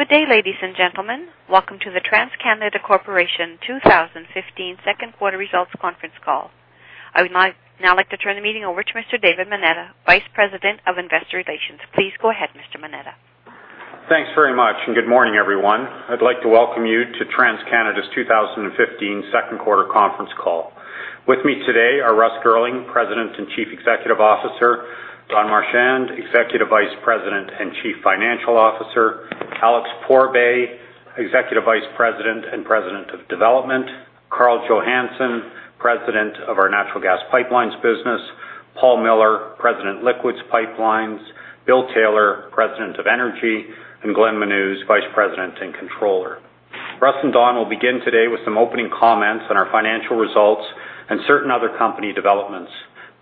Good day, ladies and gentlemen. Welcome to the TransCanada Corporation 2015 second quarter results conference call. I would now like to turn the meeting over to Mr. David Moneta, Vice President of Investor Relations. Please go ahead, Mr. Moneta. Thanks very much. Good morning, everyone. I'd like to welcome you to TransCanada's 2015 second quarter conference call. With me today are Russ Girling, President and Chief Executive Officer; Don Marchand, Executive Vice President and Chief Financial Officer; Alex Pourbaix, Executive Vice President and President of Development; Karl Johannson, President of our Natural Gas Pipelines business; Paul Miller, President, Liquids Pipelines; Bill Taylor, President of Energy; and Glenn Menuz, Vice President and Controller. Russ and Don will begin today with some opening comments on our financial results and certain other company developments.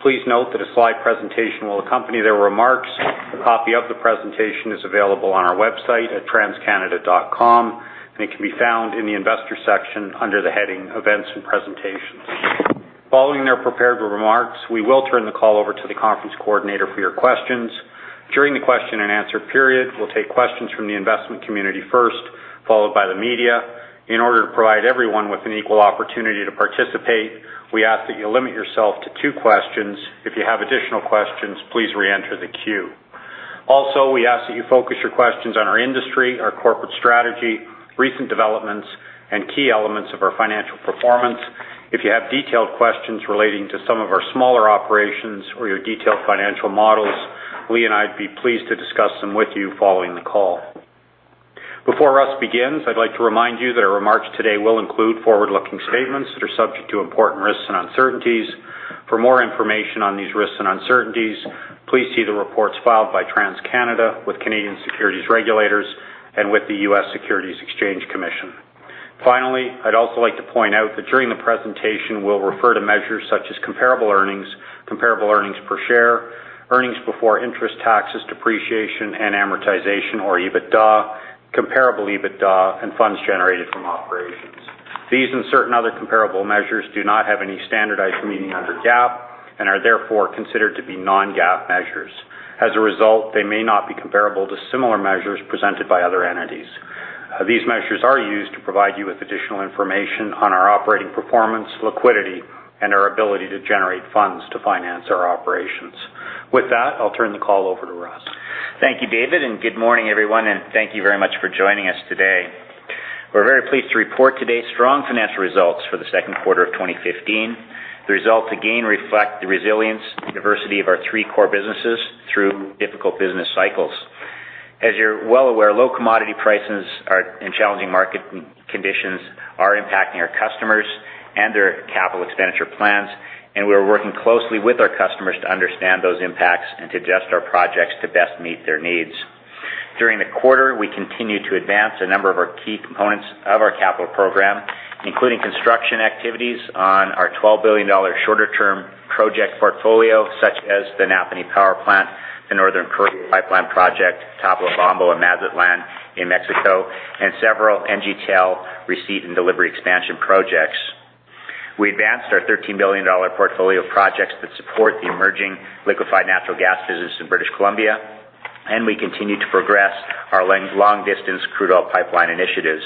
Please note that a slide presentation will accompany their remarks. A copy of the presentation is available on our website at transcanada.com, and it can be found in the Investors section under the heading Events and Presentations. Following their prepared remarks, we will turn the call over to the conference coordinator for your questions. During the question and answer period, we'll take questions from the investment community first, followed by the media. In order to provide everyone with an equal opportunity to participate, we ask that you limit yourself to two questions. If you have additional questions, please re-enter the queue. Also, we ask that you focus your questions on our industry, our corporate strategy, recent developments, and key elements of our financial performance. If you have detailed questions relating to some of our smaller operations or your detailed financial models, Lee and I'd be pleased to discuss them with you following the call. Before Russ begins, I'd like to remind you that our remarks today will include forward-looking statements that are subject to important risks and uncertainties. For more information on these risks and uncertainties, please see the reports filed by TransCanada with Canadian securities regulators and with the U.S. Securities and Exchange Commission. Finally, I'd also like to point out that during the presentation, we'll refer to measures such as comparable earnings, comparable earnings per share, earnings before interest, taxes, depreciation, and amortization or EBITDA, comparable EBITDA, and funds generated from operations. These and certain other comparable measures do not have any standardized meaning under GAAP and are therefore considered to be non-GAAP measures. As a result, they may not be comparable to similar measures presented by other entities. These measures are used to provide you with additional information on our operating performance, liquidity, and our ability to generate funds to finance our operations. With that, I'll turn the call over to Russ. Thank you, David, good morning, everyone, and thank you very much for joining us today. We're very pleased to report today strong financial results for the second quarter of 2015. The results again reflect the resilience and diversity of our three core businesses through difficult business cycles. As you're well aware, low commodity prices and challenging market conditions are impacting our customers and their capital expenditure plans, we're working closely with our customers to understand those impacts and to adjust our projects to best meet their needs. During the quarter, we continued to advance a number of our key components of our capital program, including construction activities on our 12 billion dollar shorter-term project portfolio, such as the Napanee Power Plant, the Northern Courier Pipeline project, Tamazunchale and Mazatlan in Mexico, and several NGTL receipt and delivery expansion projects. We advanced our 13 billion dollar portfolio of projects that support the emerging liquefied natural gas business in British Columbia, we continue to progress our long-distance crude oil pipeline initiatives.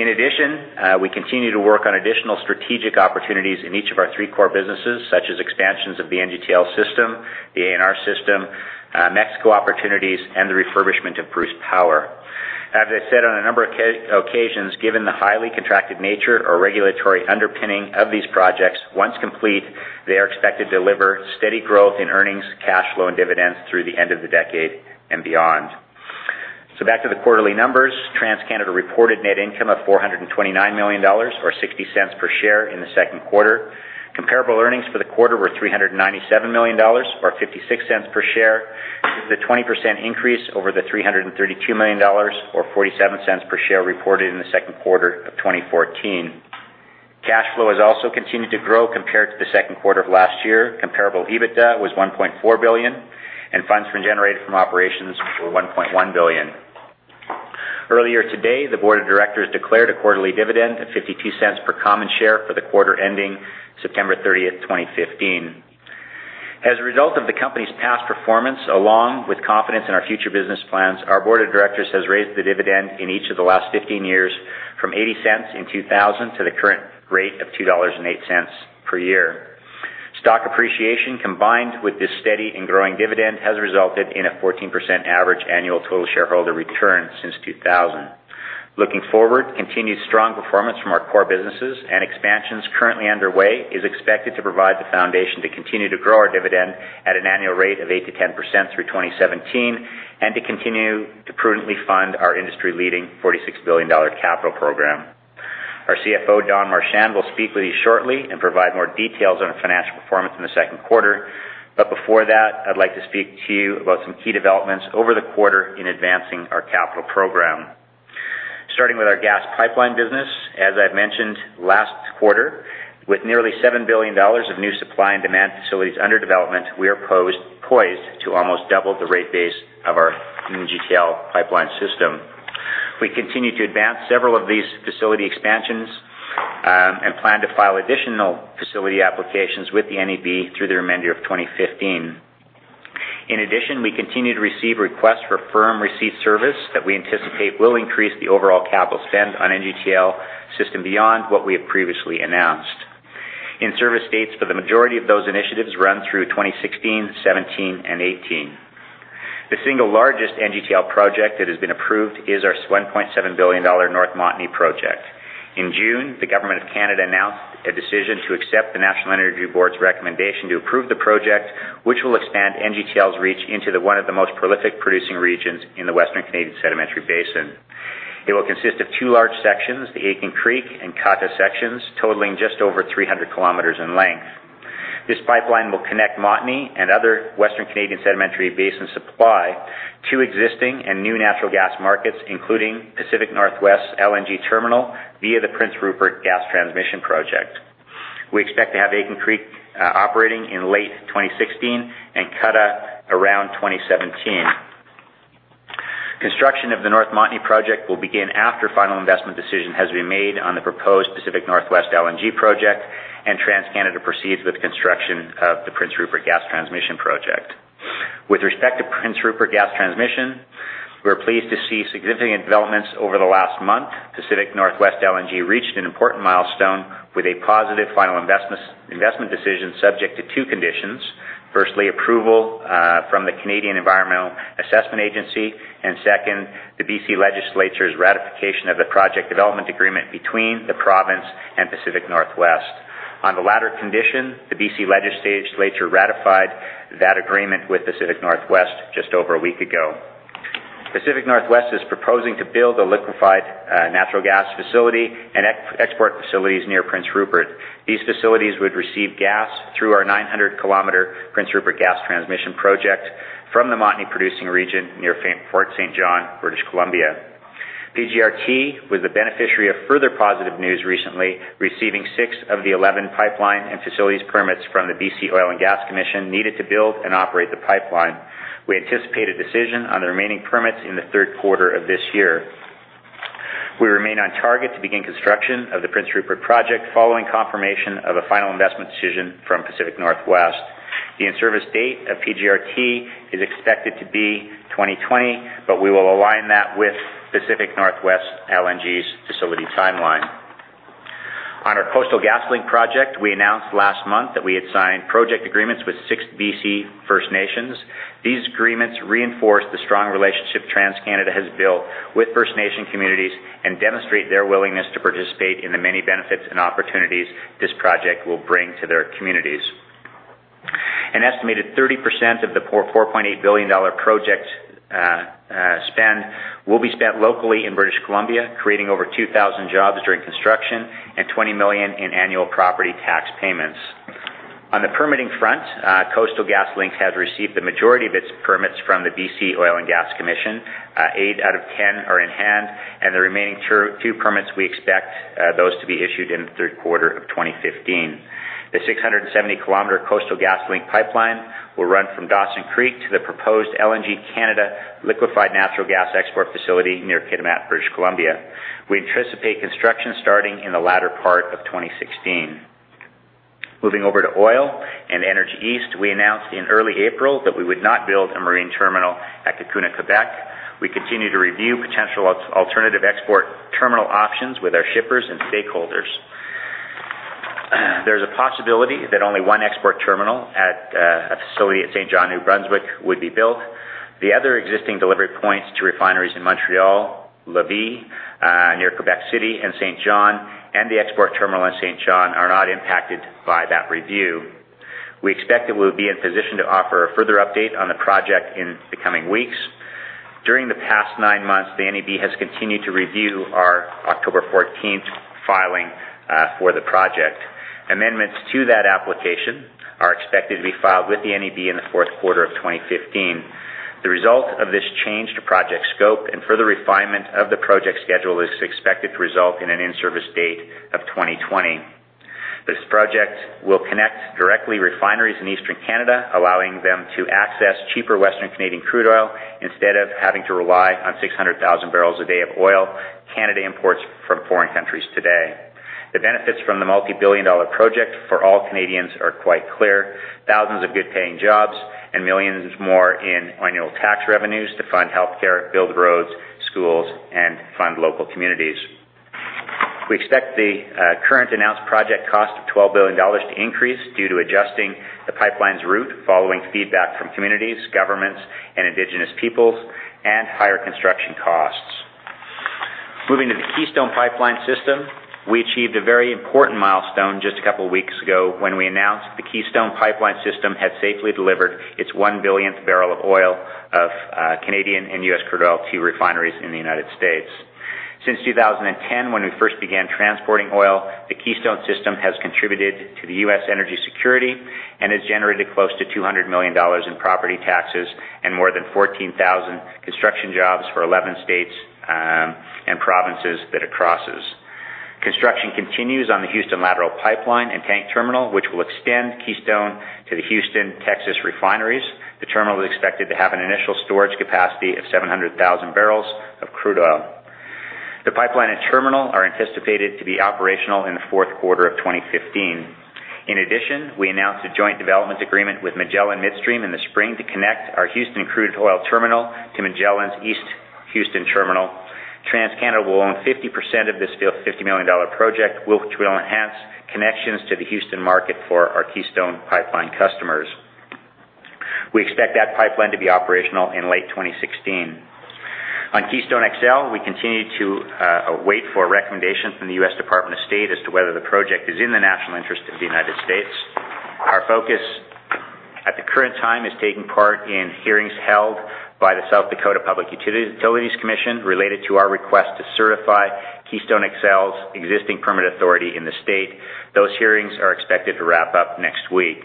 In addition, we continue to work on additional strategic opportunities in each of our three core businesses, such as expansions of the NGTL system, the ANR system, Mexico opportunities, and the refurbishment of Bruce Power. As I said on a number of occasions, given the highly contracted nature or regulatory underpinning of these projects, once complete, they are expected to deliver steady growth in earnings, cash flow, and dividends through the end of the decade and beyond. Back to the quarterly numbers, TransCanada reported net income of 429 million dollars, or 0.60 per share in the second quarter. Comparable earnings for the quarter were 397 million dollars, or 0.56 per share. This is a 20% increase over the 332 million dollars, or 0.47 per share, reported in the second quarter of 2014. Cash flow has also continued to grow compared to the second quarter of last year. Comparable EBITDA was 1.4 billion, and funds generated from operations were 1.1 billion. Earlier today, the board of directors declared a quarterly dividend of 0.52 per common share for the quarter ending September 30th, 2015. As a result of the company's past performance, along with confidence in our future business plans, our board of directors has raised the dividend in each of the last 15 years from 0.80 in 2000 to the current rate of 2.08 dollars per year. Stock appreciation, combined with this steady and growing dividend, has resulted in a 14% average annual total shareholder return since 2000. Looking forward, continued strong performance from our core businesses and expansions currently underway is expected to provide the foundation to continue to grow our dividend at an annual rate of 8%-10% through 2017 and to continue to prudently fund our industry-leading 46 billion dollar capital program. Our CFO, Don Marchand, will speak with you shortly and provide more details on our financial performance in the second quarter. Before that, I'd like to speak to you about some key developments over the quarter in advancing our capital program. Starting with our gas pipeline business, as I've mentioned last quarter, with nearly 7 billion dollars of new supply and demand facilities under development, we are poised to almost double the rate base of our NGTL pipeline system. We continue to advance several of these facility expansions, plan to file additional facility applications with the NEB through the remainder of 2015. In addition, we continue to receive requests for firm receipt service that we anticipate will increase the overall capital spend on NGTL system beyond what we have previously announced. In-service dates for the majority of those initiatives run through 2016, 2017, and 2018. The single largest NGTL project that has been approved is our 1.7 billion dollar North Montney project. In June, the Government of Canada announced a decision to accept the National Energy Board's recommendation to approve the project, which will expand NGTL's reach into one of the most prolific producing regions in the Western Canadian Sedimentary Basin. It will consist of two large sections, the Aitken Creek and Kahta sections, totaling just over 300 km in length. This pipeline will connect Montney and other Western Canadian Sedimentary Basin supply to existing and new natural gas markets, including Pacific NorthWest LNG terminal via the Prince Rupert Gas Transmission project. We expect to have Aitken Creek operating in late 2016 and Kahta around 2017. Construction of the North Montney project will begin after final investment decision has been made on the proposed Pacific NorthWest LNG project and TransCanada proceeds with construction of the Prince Rupert Gas Transmission project. With respect to Prince Rupert Gas Transmission, we are pleased to see significant developments over the last month. Pacific NorthWest LNG reached an important milestone with a positive final investment decision subject to two conditions. Firstly, approval from the Canadian Environmental Assessment Agency, and second, the Legislature of British Columbia's ratification of the project development agreement between the province and Pacific NorthWest. On the latter condition, the Legislature of British Columbia ratified that agreement with Pacific NorthWest just over a week ago. Pacific NorthWest is proposing to build a liquefied natural gas facility and export facilities near Prince Rupert. These facilities would receive gas through our 900-km Prince Rupert Gas Transmission project from the Montney-producing region near Fort St. John, British Columbia. PGRT was the beneficiary of further positive news recently, receiving six of the 11 pipeline and facilities permits from the BC Oil and Gas Commission needed to build and operate the pipeline. We anticipate a decision on the remaining permits in the third quarter of this year. We remain on target to begin construction of the Prince Rupert project following confirmation of a final investment decision from Pacific NorthWest. The in-service date of PGRT is expected to be 2020, but we will align that with Pacific NorthWest LNG's facility timeline. On our Coastal GasLink project, we announced last month that we had signed project agreements with six BC First Nations. These agreements reinforce the strong relationship TransCanada has built with First Nation communities and demonstrate their willingness to participate in the many benefits and opportunities this project will bring to their communities. An estimated 30% of the 4.8 billion dollar project spend will be spent locally in British Columbia, creating over 2,000 jobs during construction and 20 million in annual property tax payments. On the permitting front, Coastal GasLink has received the majority of its permits from the BC Oil and Gas Commission. Eight out of 10 are in hand, and the remaining few permits, we expect those to be issued in the third quarter of 2015. The 670-km Coastal GasLink pipeline will run from Dawson Creek to the proposed LNG Canada liquefied natural gas export facility near Kitimat, British Columbia. We anticipate construction starting in the latter part of 2016. Moving over to Oil and Energy East, we announced in early April that we would not build a marine terminal at Cacouna, Quebec. We continue to review potential alternative export terminal options with our shippers and stakeholders. There's a possibility that only one export terminal at a facility at Saint John, New Brunswick, would be built. The other existing delivery points to refineries in Montreal, Lévis, near Quebec City, and Saint John, and the export terminal in Saint John are not impacted by that review. We expect that we'll be in position to offer a further update on the project in the coming weeks. During the past nine months, the NEB has continued to review our October 14th filing for the project. Amendments to that application are expected to be filed with the NEB in the fourth quarter of 2015. The result of this change to project scope and further refinement of the project schedule is expected to result in an in-service date of 2020. This project will connect directly refineries in Eastern Canada, allowing them to access cheaper Western Canadian crude oil instead of having to rely on 600,000 barrels a day of oil Canada imports from foreign countries today. The benefits from the multibillion-dollar project for all Canadians are quite clear. Thousands of good-paying jobs and millions more in annual tax revenues to fund healthcare, build roads, schools, and fund local communities. We expect the current announced project cost of 12 billion dollars to increase due to adjusting the pipeline's route following feedback from communities, governments, and Indigenous peoples, and higher construction costs. Moving to the Keystone Pipeline System, we achieved a very important milestone just a couple of weeks ago when we announced the Keystone Pipeline System had safely delivered its one-billionth barrel of oil of Canadian and U.S. crude oil to refineries in the United States. Since 2010, when we first began transporting oil, the Keystone system has contributed to the U.S. energy security and has generated close to 200 million dollars in property taxes and more than 14,000 construction jobs for 11 states and provinces that it crosses. Construction continues on the Houston Lateral pipeline and tank terminal, which will extend Keystone to the Houston, Texas refineries. The terminal is expected to have an initial storage capacity of 700,000 barrels of crude oil. The pipeline and terminal are anticipated to be operational in the fourth quarter of 2015. In addition, we announced a joint development agreement with Magellan Midstream in the spring to connect our Houston crude oil terminal to Magellan's East Houston terminal. TransCanada will own 50% of this 50 million dollar project, which will enhance connections to the Houston market for our Keystone Pipeline customers. We expect that pipeline to be operational in late 2016. On Keystone XL, we continue to wait for a recommendation from the U.S. Department of State as to whether the project is in the national interest of the United States. Our focus at the current time is taking part in hearings held by the South Dakota Public Utilities Commission related to our request to certify Keystone XL's existing permit authority in the state. Those hearings are expected to wrap up next week.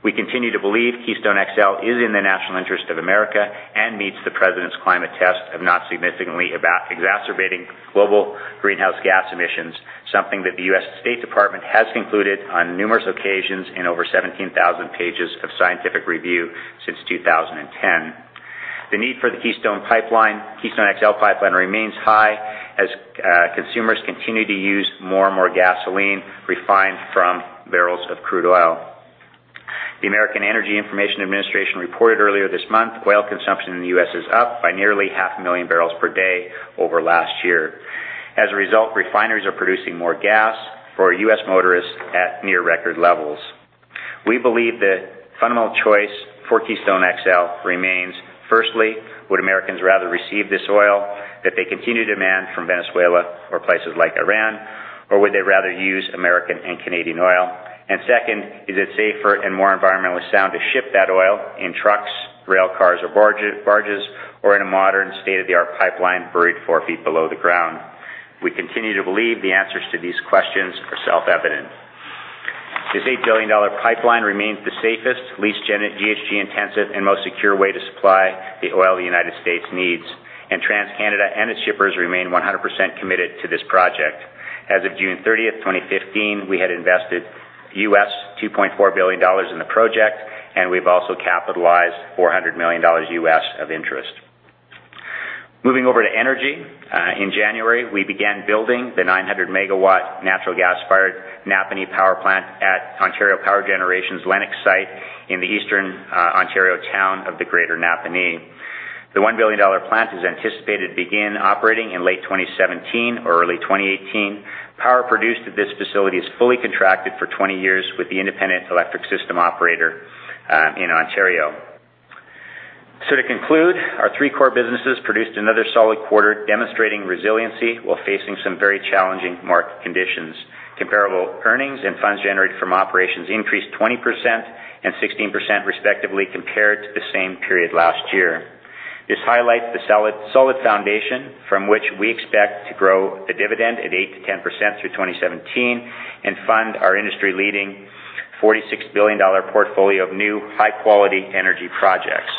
We continue to believe Keystone XL is in the national interest of America and meets the president's climate test of not significantly exacerbating global greenhouse gas emissions, something that the U.S. Department of State has concluded on numerous occasions in over 17,000 pages of scientific review since 2010. The need for the Keystone XL pipeline remains high as consumers continue to use more and more gasoline refined from barrels of crude oil. The U.S. Energy Information Administration reported earlier this month, oil consumption in the U.S. is up by nearly half a million barrels per day over last year. As a result, refineries are producing more gas for U.S. motorists at near record levels. We believe the fundamental choice for Keystone XL remains, firstly, would Americans rather receive this oil that they continue to demand from Venezuela or places like Iran, or would they rather use American and Canadian oil? Second, is it safer and more environmentally sound to ship that oil in trucks, rail cars or barges, or in a modern state-of-the-art pipeline buried four feet below the ground? We continue to believe the answers to these questions are self-evident. This CAD 8 billion pipeline remains the safest, least GHG-intensive, and most secure way to supply the oil the United States needs, and TransCanada and its shippers remain 100% committed to this project. As of June 30th, 2015, we had invested US $2.4 billion in the project, and we've also capitalized $400 million US of interest. Moving over to energy. In January, we began building the 900-megawatt natural gas-fired Napanee Power Plant at Ontario Power Generation's Lennox site in the eastern Ontario town of Greater Napanee. The 1 billion dollar plant is anticipated to begin operating in late 2017 or early 2018. Power produced at this facility is fully contracted for 20 years with the Independent Electricity System Operator in Ontario. To conclude, our three core businesses produced another solid quarter demonstrating resiliency while facing some very challenging market conditions. Comparable earnings and funds generated from operations increased 20% and 16% respectively, compared to the same period last year. This highlights the solid foundation from which we expect to grow the dividend at 8%-10% through 2017 and fund our industry-leading 46 billion dollar portfolio of new, high-quality energy projects.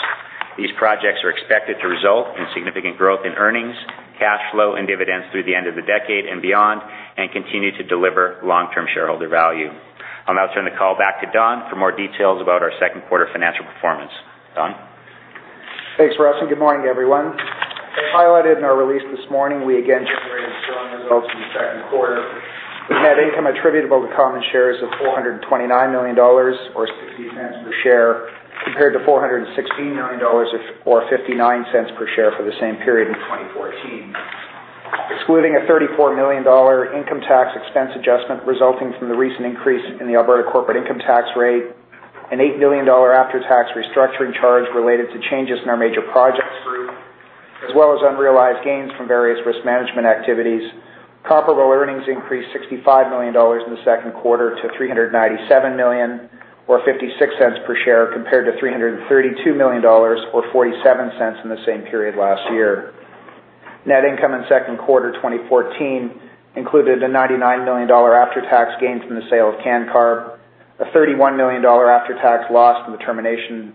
These projects are expected to result in significant growth in earnings, cash flow, and dividends through the end of the decade and beyond and continue to deliver long-term shareholder value. I'll now turn the call back to Don for more details about our second quarter financial performance. Don? Thanks, Russ, good morning, everyone. As highlighted in our release this morning, we again generated strong results in the second quarter. We've had income attributable to common shares of 429 million dollars, or 0.60 per share, compared to 416 million dollars or 0.59 per share for the same period in 2014. Excluding a 34 million dollar income tax expense adjustment resulting from the recent increase in the Alberta corporate income tax rate, a 8 million dollar after-tax restructuring charge related to changes in our major projects group, as well as unrealized gains from various risk management activities, comparable earnings increased 65 million dollars in the second quarter to 397 million, or 0.56 per share compared to 332 million dollars or 0.47 in the same period last year. Net income in second quarter 2014 included a CAD 99 million after-tax gain from the sale of Cancarb, a CAD 31 million after-tax loss from the termination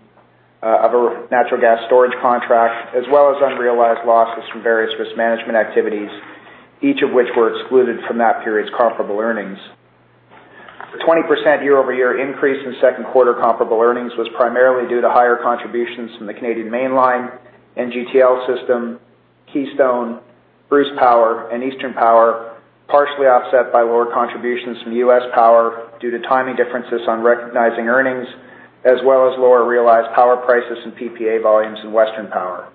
of a natural gas storage contract, as well as unrealized losses from various risk management activities, each of which were excluded from that period's comparable earnings. The 20% year-over-year increase in second quarter comparable earnings was primarily due to higher contributions from the Canadian Mainline, NGTL system, Keystone, Bruce Power, and Eastern Power, partially offset by lower contributions from U.S. Power due to timing differences on recognizing earnings, as well as lower realized power prices and PPA volumes in Western Power.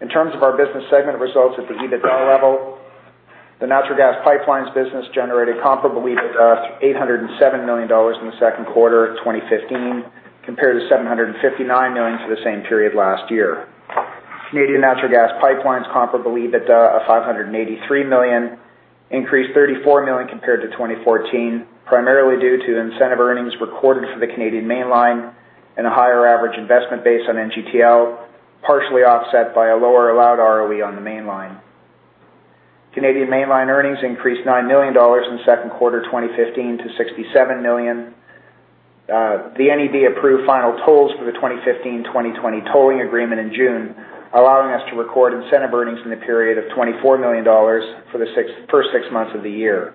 In terms of our business segment results at the EBITDA level, the natural gas pipelines business generated comparable EBITDA through 807 million dollars in the second quarter of 2015 compared to 759 million for the same period last year. Canadian natural gas pipelines comparable EBITDA of 583 million increased 34 million compared to 2014, primarily due to incentive earnings recorded for the Canadian Mainline and a higher average investment base on NGTL, partially offset by a lower allowed ROE on the Mainline. Canadian Mainline earnings increased 9 million dollars in second quarter 2015 to 67 million. The NEB approved final tolls for the 2015, 2020 tolling agreement in June, allowing us to record incentive earnings in the period of 24 million dollars for the first six months of the year.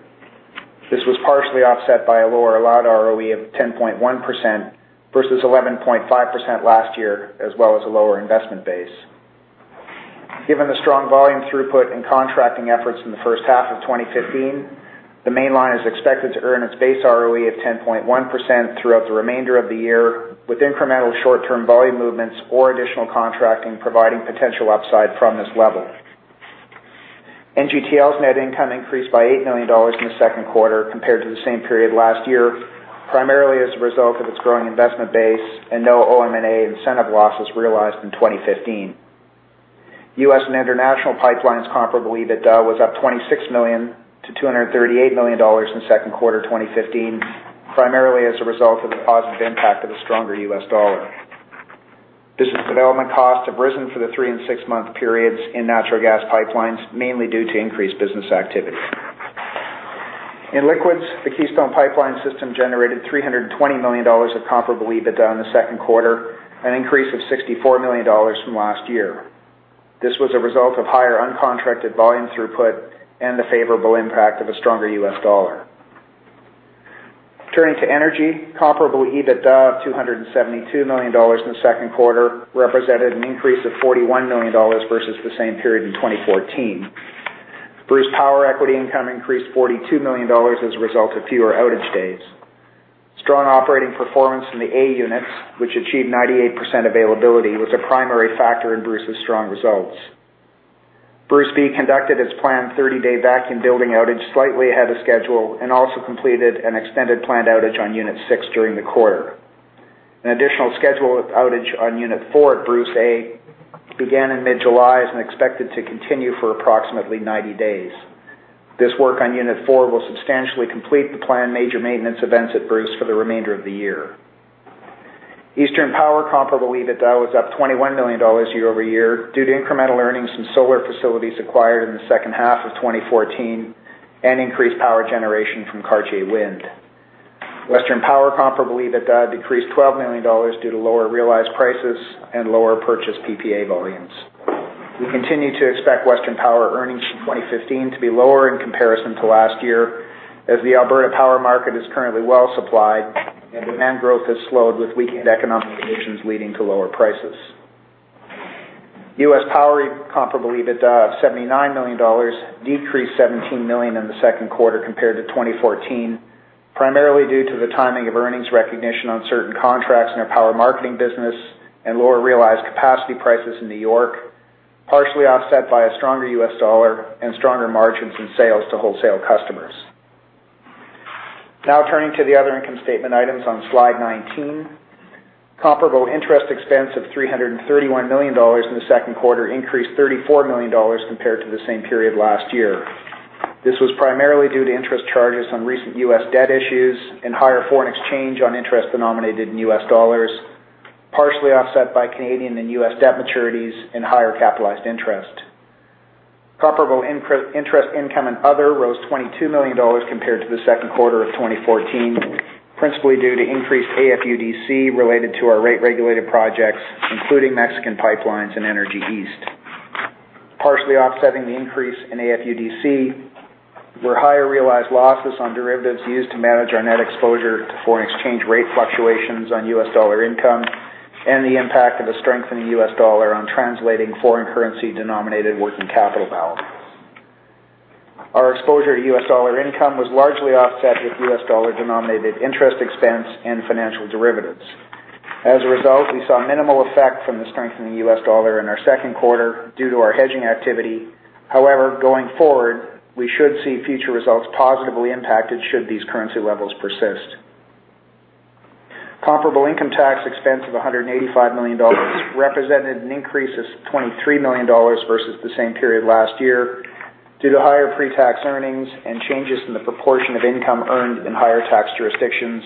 This was partially offset by a lower allowed ROE of 10.1% versus 11.5% last year, as well as a lower investment base. Given the strong volume throughput and contracting efforts in the first half of 2015, the Mainline is expected to earn its base ROE of 10.1% throughout the remainder of the year, with incremental short-term volume movements or additional contracting providing potential upside from this level. NGTL's net income increased by 8 million dollars in the second quarter compared to the same period last year, primarily as a result of its growing investment base and no OM&A incentive losses realized in 2015. U.S. and international pipelines comparable EBITDA was up 26 million to 238 million dollars in second quarter 2015, primarily as a result of the positive impact of the stronger U.S. dollar. Business development costs have risen for the three and six-month periods in natural gas pipelines, mainly due to increased business activity. In liquids, the Keystone Pipeline System generated 320 million dollars of comparable EBITDA in the second quarter, an increase of 64 million dollars from last year. This was a result of higher uncontracted volume throughput and the favorable impact of a stronger U.S. dollar. Turning to energy, comparable EBITDA of 272 million dollars in the second quarter represented an increase of 41 million dollars versus the same period in 2014. Bruce Power equity income increased CAD 42 million as a result of fewer outage days. Strong operating performance in the A units, which achieved 98% availability, was a primary factor in Bruce's strong results. Bruce B conducted its planned 30-day vacuum building outage slightly ahead of schedule and also completed an extended planned outage on Unit 6 during the quarter. An additional scheduled outage on Unit 4 at Bruce A began in mid-July and is expected to continue for approximately 90 days. This work on Unit 4 will substantially complete the planned major maintenance events at Bruce for the remainder of the year. Eastern Power comparable EBITDA was up 21 million dollars year-over-year due to incremental earnings from solar facilities acquired in the second half of 2014 and increased power generation from Cartier Wind. Western Power comparable EBITDA decreased 12 million dollars due to lower realized prices and lower purchase PPA volumes. We continue to expect Western Power earnings in 2015 to be lower in comparison to last year, as the Alberta power market is currently well-supplied and demand growth has slowed with weakened economic conditions leading to lower prices. U.S. Power comparable EBITDA of $79 million decreased $17 million in the second quarter compared to 2014, primarily due to the timing of earnings recognition on certain contracts in our power marketing business and lower realized capacity prices in New York, partially offset by a stronger U.S. dollar and stronger margins in sales to wholesale customers. Turning to the other income statement items on slide 19. Comparable interest expense of $331 million in the second quarter increased $34 million compared to the same period last year. This was primarily due to interest charges on recent U.S. debt issues and higher foreign exchange on interest denominated in U.S. dollars, partially offset by Canadian and U.S. debt maturities and higher capitalized interest. Comparable interest income and other rose 22 million dollars compared to the second quarter of 2014, principally due to increased AFUDC related to our rate-regulated projects, including Mexican pipelines and Energy East. Partially offsetting the increase in AFUDC were higher realized losses on derivatives used to manage our net exposure to foreign exchange rate fluctuations on U.S. dollar income and the impact of the strengthening U.S. dollar on translating foreign currency denominated working capital balances. Our exposure to U.S. dollar income was largely offset with U.S. dollar denominated interest expense and financial derivatives. As a result, we saw minimal effect from the strengthening U.S. dollar in our second quarter due to our hedging activity. However, going forward, we should see future results positively impacted should these currency levels persist. Comparable income tax expense of 185 million dollars represented an increase of 23 million dollars versus the same period last year due to higher pre-tax earnings and changes in the proportion of income earned in higher tax jurisdictions,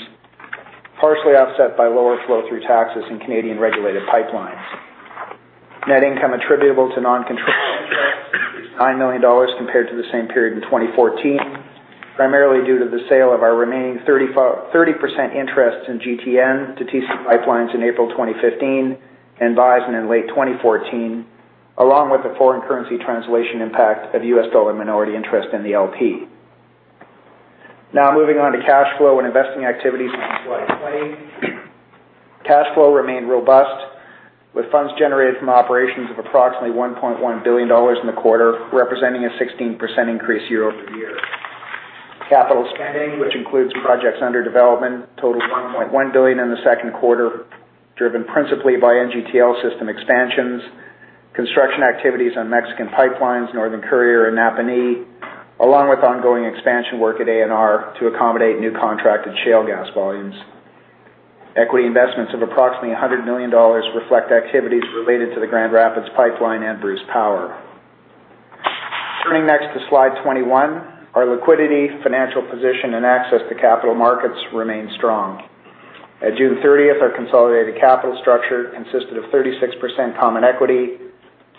partially offset by lower flow-through taxes in Canadian-regulated pipelines. Net income attributable to non-controlling interests increased 9 million dollars compared to the same period in 2014, primarily due to the sale of our remaining 30% interest in GTN to TC PipeLines in April 2015 and Bison in late 2014, along with the foreign currency translation impact of U.S. dollar minority interest in the LP. Moving on to cash flow and investing activities on slide 20. Cash flow remained robust, with funds generated from operations of approximately 1.1 billion dollars in the quarter, representing a 16% increase year-over-year. Capital spending, which includes projects under development, totaled 1.1 billion in the second quarter, driven principally by NGTL system expansions, construction activities on Mexican pipelines, Northern Courier, and Napanee, along with ongoing expansion work at ANR to accommodate new contracted shale gas volumes. Equity investments of approximately 100 million dollars reflect activities related to the Grand Rapids pipeline and Bruce Power. Turning next to slide 21. Our liquidity, financial position, and access to capital markets remain strong. As June 30th, our consolidated capital structure consisted of 36% common equity,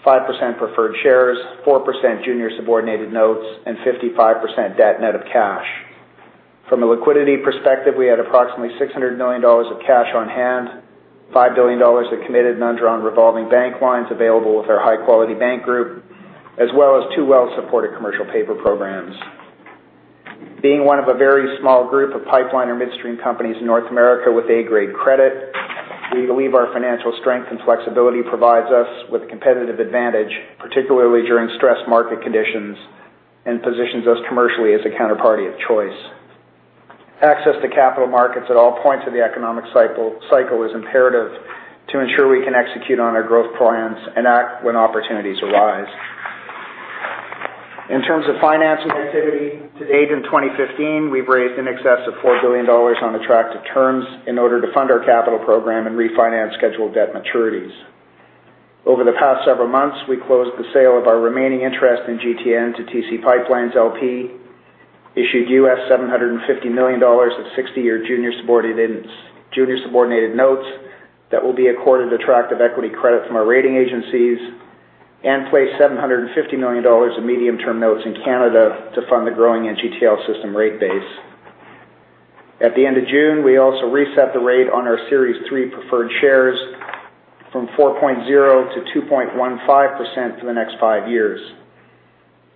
5% preferred shares, 4% junior subordinated notes, and 55% debt net of cash. From a liquidity perspective, we had approximately 600 million dollars of cash on hand, 5 billion dollars of committed and undrawn revolving bank lines available with our high-quality bank group, as well as two well-supported commercial paper programs. Being one of a very small group of pipeline or midstream companies in North America with A-grade credit, we believe our financial strength and flexibility provides us with competitive advantage, particularly during stressed market conditions, and positions us commercially as a counterparty of choice. Access to capital markets at all points of the economic cycle is imperative to ensure we can execute on our growth plans and act when opportunities arise. In terms of financing activity, to date in 2015, we've raised in excess of 4 billion dollars on attractive terms in order to fund our capital program and refinance scheduled debt maturities. Over the past several months, we closed the sale of our remaining interest in GTN to TC PipeLines, LP, issued US $750 million of 60-year junior subordinated notes that will be accorded attractive equity credit from our rating agencies, and placed 750 million dollars in medium-term notes in Canada to fund the growing NGTL system rate base. At the end of June, we also reset the rate on our Series 3 preferred shares from 4.0% to 2.15% for the next five years.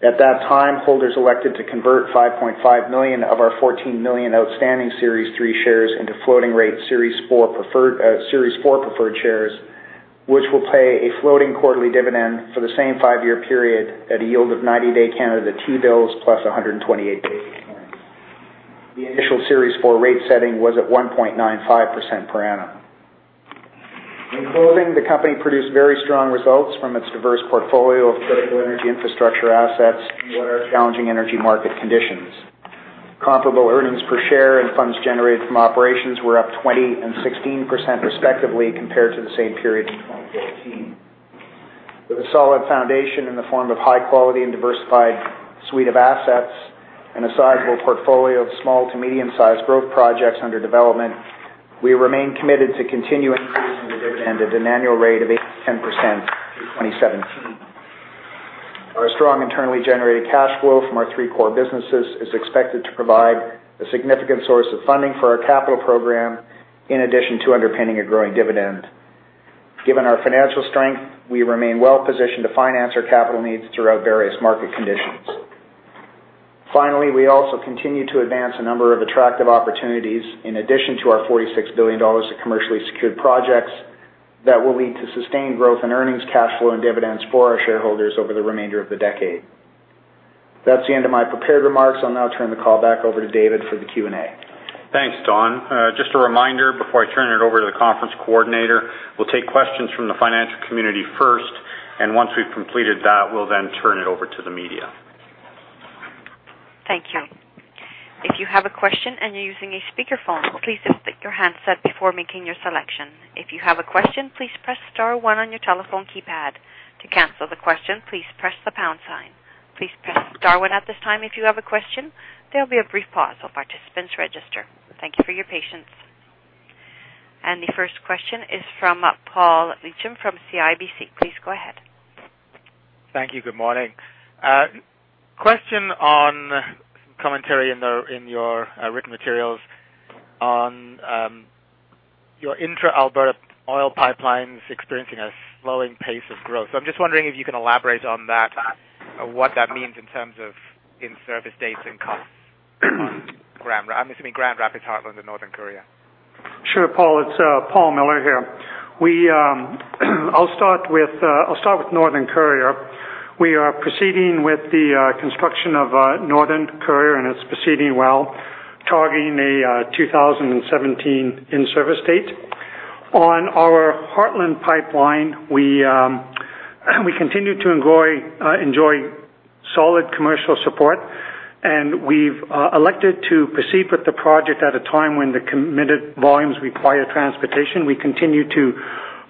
At that time, holders elected to convert 5.5 million of our 14 million outstanding Series 3 shares into floating rate Series 4 preferred shares, which will pay a floating quarterly dividend for the same five-year period at a yield of 90-day Canada T bills plus 128 basis points. The initial Series 4 rate setting was at 1.95% per annum. In closing, the company produced very strong results from its diverse portfolio of critical energy infrastructure assets in what are challenging energy market conditions. Comparable earnings per share and funds generated from operations were up 20% and 16% respectively compared to the same period in 2014. With a solid foundation in the form of high quality and diversified suite of assets and a sizable portfolio of small to medium-sized growth projects under development, we remain committed to continue increasing the dividend at an annual rate of 8%-10% through 2017. Our strong internally generated cash flow from our three core businesses is expected to provide a significant source of funding for our capital program, in addition to underpinning a growing dividend. Given our financial strength, we remain well-positioned to finance our capital needs throughout various market conditions. We also continue to advance a number of attractive opportunities in addition to our 46 billion dollars of commercially secured projects that will lead to sustained growth in earnings, cash flow, and dividends for our shareholders over the remainder of the decade. That's the end of my prepared remarks. I'll now turn the call back over to David for the Q&A. Thanks, Don. Just a reminder, before I turn it over to the conference coordinator, we'll take questions from the financial community first, and once we've completed that, we'll then turn it over to the media. Thank you. If you have a question and you're using a speakerphone, please mute your handset before making your selection. If you have a question, please press star one on your telephone keypad. To cancel the question, please press the pound sign. Please press star one at this time if you have a question. There'll be a brief pause while participants register. Thank you for your patience. The first question is from Paul Lechem from CIBC. Please go ahead. Thank you. Good morning. Question on commentary in your written materials on your intra-Alberta oil pipelines experiencing a slowing pace of growth. I'm just wondering if you can elaborate on that, what that means in terms of in-service dates and costs on Grand Rapids, Heartland, and Northern Courier. Sure, Paul. It's Paul Miller here. I'll start with Northern Courier. We are proceeding with the construction of Northern Courier, and it's proceeding well, targeting a 2017 in-service date. On our Heartland Pipeline, we continue to enjoy solid commercial support, and we've elected to proceed with the project at a time when the committed volumes require transportation. We continue to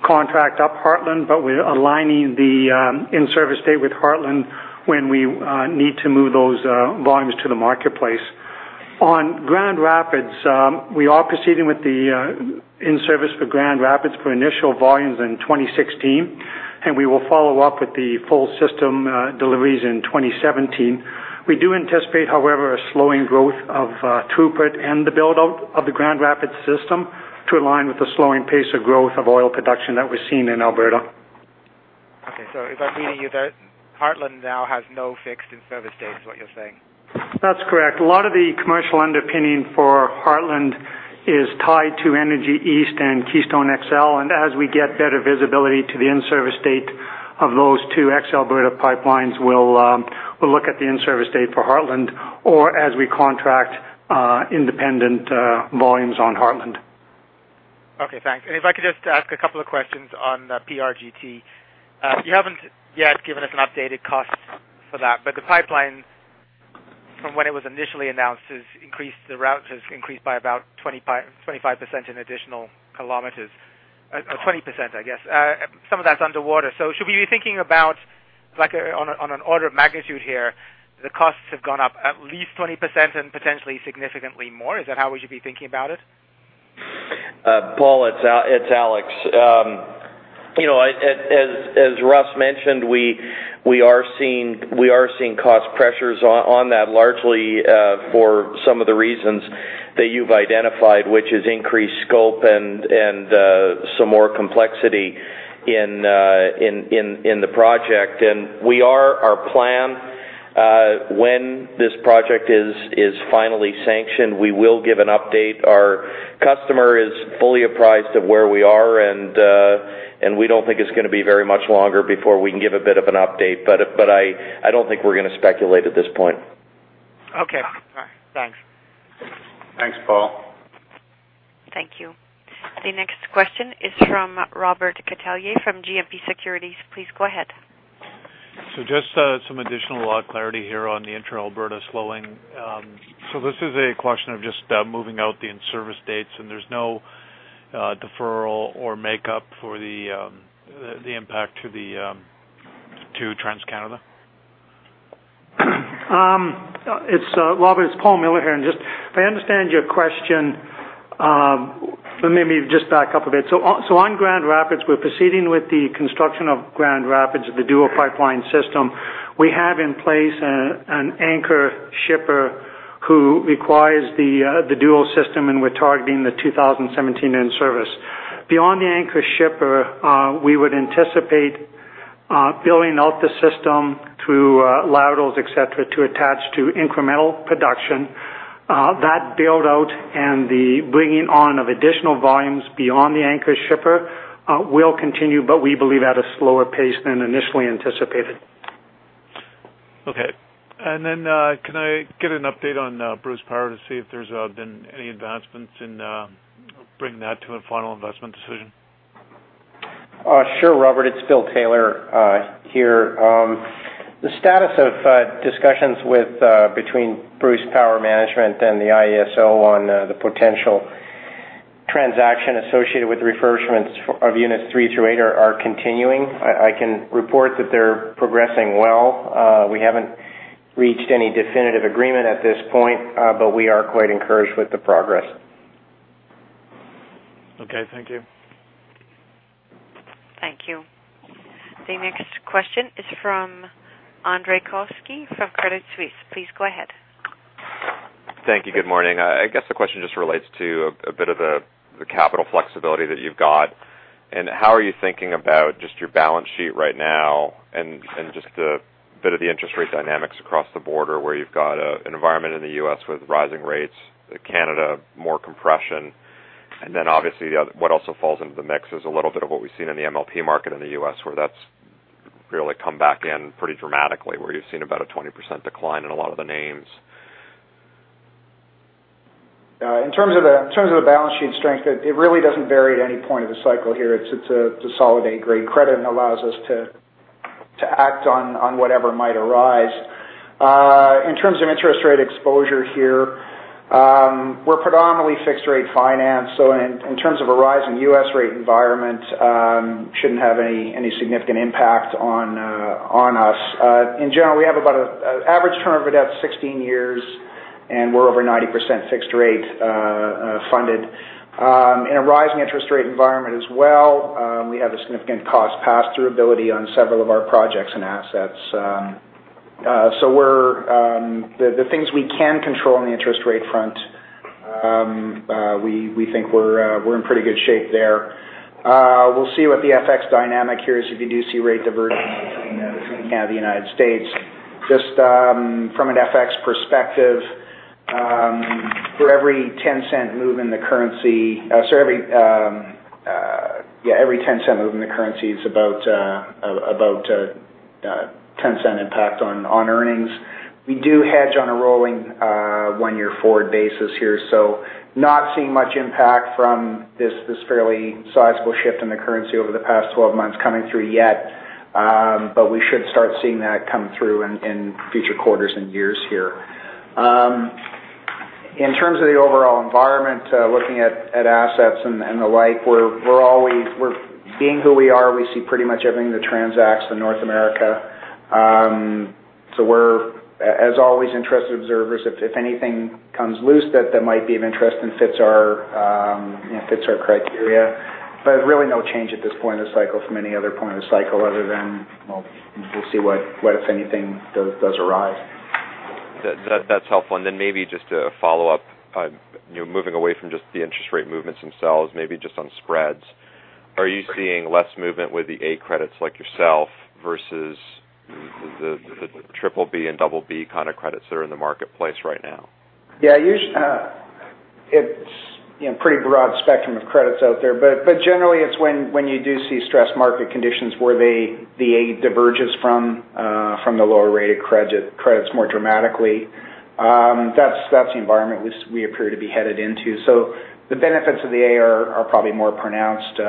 contract up Heartland, but we're aligning the in-service date with Heartland when we need to move those volumes to the marketplace. On Grand Rapids, we are proceeding with the in-service for Grand Rapids for initial volumes in 2016, and we will follow up with the full system deliveries in 2017. We do anticipate, however, a slowing growth of throughput and the build-out of the Grand Rapids system to align with the slowing pace of growth of oil production that we're seeing in Alberta. Okay. Does that mean Heartland now has no fixed in-service date, is what you're saying? That's correct. A lot of the commercial underpinning for Heartland is tied to Energy East and Keystone XL. As we get better visibility to the in-service date of those two ex-Alberta pipelines, we'll look at the in-service date for Heartland or as we contract independent volumes on Heartland. Okay, thanks. If I could just ask a couple of questions on PRGT. You haven't yet given us an updated cost for that, but the pipeline from when it was initially announced, the route has increased by about 25% in additional kilometers. 20%, I guess. Some of that's underwater. Should we be thinking about, on an order of magnitude here, the costs have gone up at least 20% and potentially significantly more? Is that how we should be thinking about it? Paul, it's Alex. As Russ mentioned, we are seeing cost pressures on that, largely for some of the reasons that you've identified, which is increased scope and some more complexity in the project. Our plan, when this project is finally sanctioned, we will give an update. Our customer is fully apprised of where we are, we don't think it's going to be very much longer before we can give a bit of an update. I don't think we're going to speculate at this point. Okay. All right. Thanks. Thanks, Paul. Thank you. The next question is from Robert Catellier from GMP Securities. Please go ahead. Just some additional clarity here on the intra-Alberta slowing. This is a question of just moving out the in-service dates, and there's no deferral or makeup for the impact to TransCanada? Robert, it's Paul Miller here. If I understand your question, let me just back up a bit. On Grand Rapids, we're proceeding with the construction of Grand Rapids, the dual pipeline system. We have in place an anchor shipper who requires the dual system, and we're targeting the 2017 in-service. Beyond the anchor shipper, we would anticipate building out the system through laterals, et cetera, to attach to incremental production. That build-out and the bringing on of additional volumes beyond the anchor shipper will continue, but we believe at a slower pace than initially anticipated. Okay. Can I get an update on Bruce Power to see if there's been any advancements in bringing that to a final investment decision? Sure, Robert. It's Bill Taylor here. The status of discussions between Bruce Power Management and the IESO on the potential transaction associated with the refurbishment of units three through eight are continuing. I can report that they're progressing well. We haven't reached any definitive agreement at this point, but we are quite encouraged with the progress. Okay, thank you. Thank you. The next question is from Andrew Kuske from Credit Suisse. Please go ahead. Thank you. Good morning. I guess the question just relates to a bit of the capital flexibility that you've got, how are you thinking about just your balance sheet right now, and just the bit of the interest rate dynamics across the border, where you've got an environment in the U.S. with rising rates, Canada, more compression. Obviously, what also falls into the mix is a little bit of what we've seen in the MLP market in the U.S., where that's really come back in pretty dramatically, where you've seen about a 20% decline in a lot of the names. In terms of the balance sheet strength, it really doesn't vary at any point of the cycle here. It's a solid A-grade credit and allows us to act on whatever might arise. In terms of interest rate exposure here, we're predominantly fixed-rate finance, so in terms of a rising U.S. rate environment, shouldn't have any significant impact on us. In general, we have about an average term of about 16 years, and we're over 90% fixed-rate funded. In a rising interest rate environment as well, we have a significant cost pass-through ability on several of our projects and assets. The things we can control on the interest rate front, we think we're in pretty good shape there. We'll see what the FX dynamic here is if you do see rate divergence between Canada and the United States. Just from an FX perspective, for every 0.01 move in the currency, it's about a 0.01 impact on earnings. We do hedge on a rolling one-year forward basis here, not seeing much impact from this fairly sizable shift in the currency over the past 12 months coming through yet. We should start seeing that come through in future quarters and years here. In terms of the overall environment, looking at assets and the like, being who we are, we see pretty much everything that transacts in North America. We're, as always, interested observers. If anything comes loose that might be of interest and fits our criteria. Really, no change at this point in the cycle from any other point of the cycle other than, we'll see what, if anything, does arise. That's helpful. Then maybe just a follow-up, moving away from just the interest rate movements themselves, maybe just on spreads. Are you seeing less movement with the A credits like yourself versus the BBB and BB credits that are in the marketplace right now? It's pretty broad spectrum of credits out there. Generally, it's when you do see stressed market conditions where the A diverges from the lower-rated credits more dramatically. That's the environment we appear to be headed into. The benefits of the A are probably more pronounced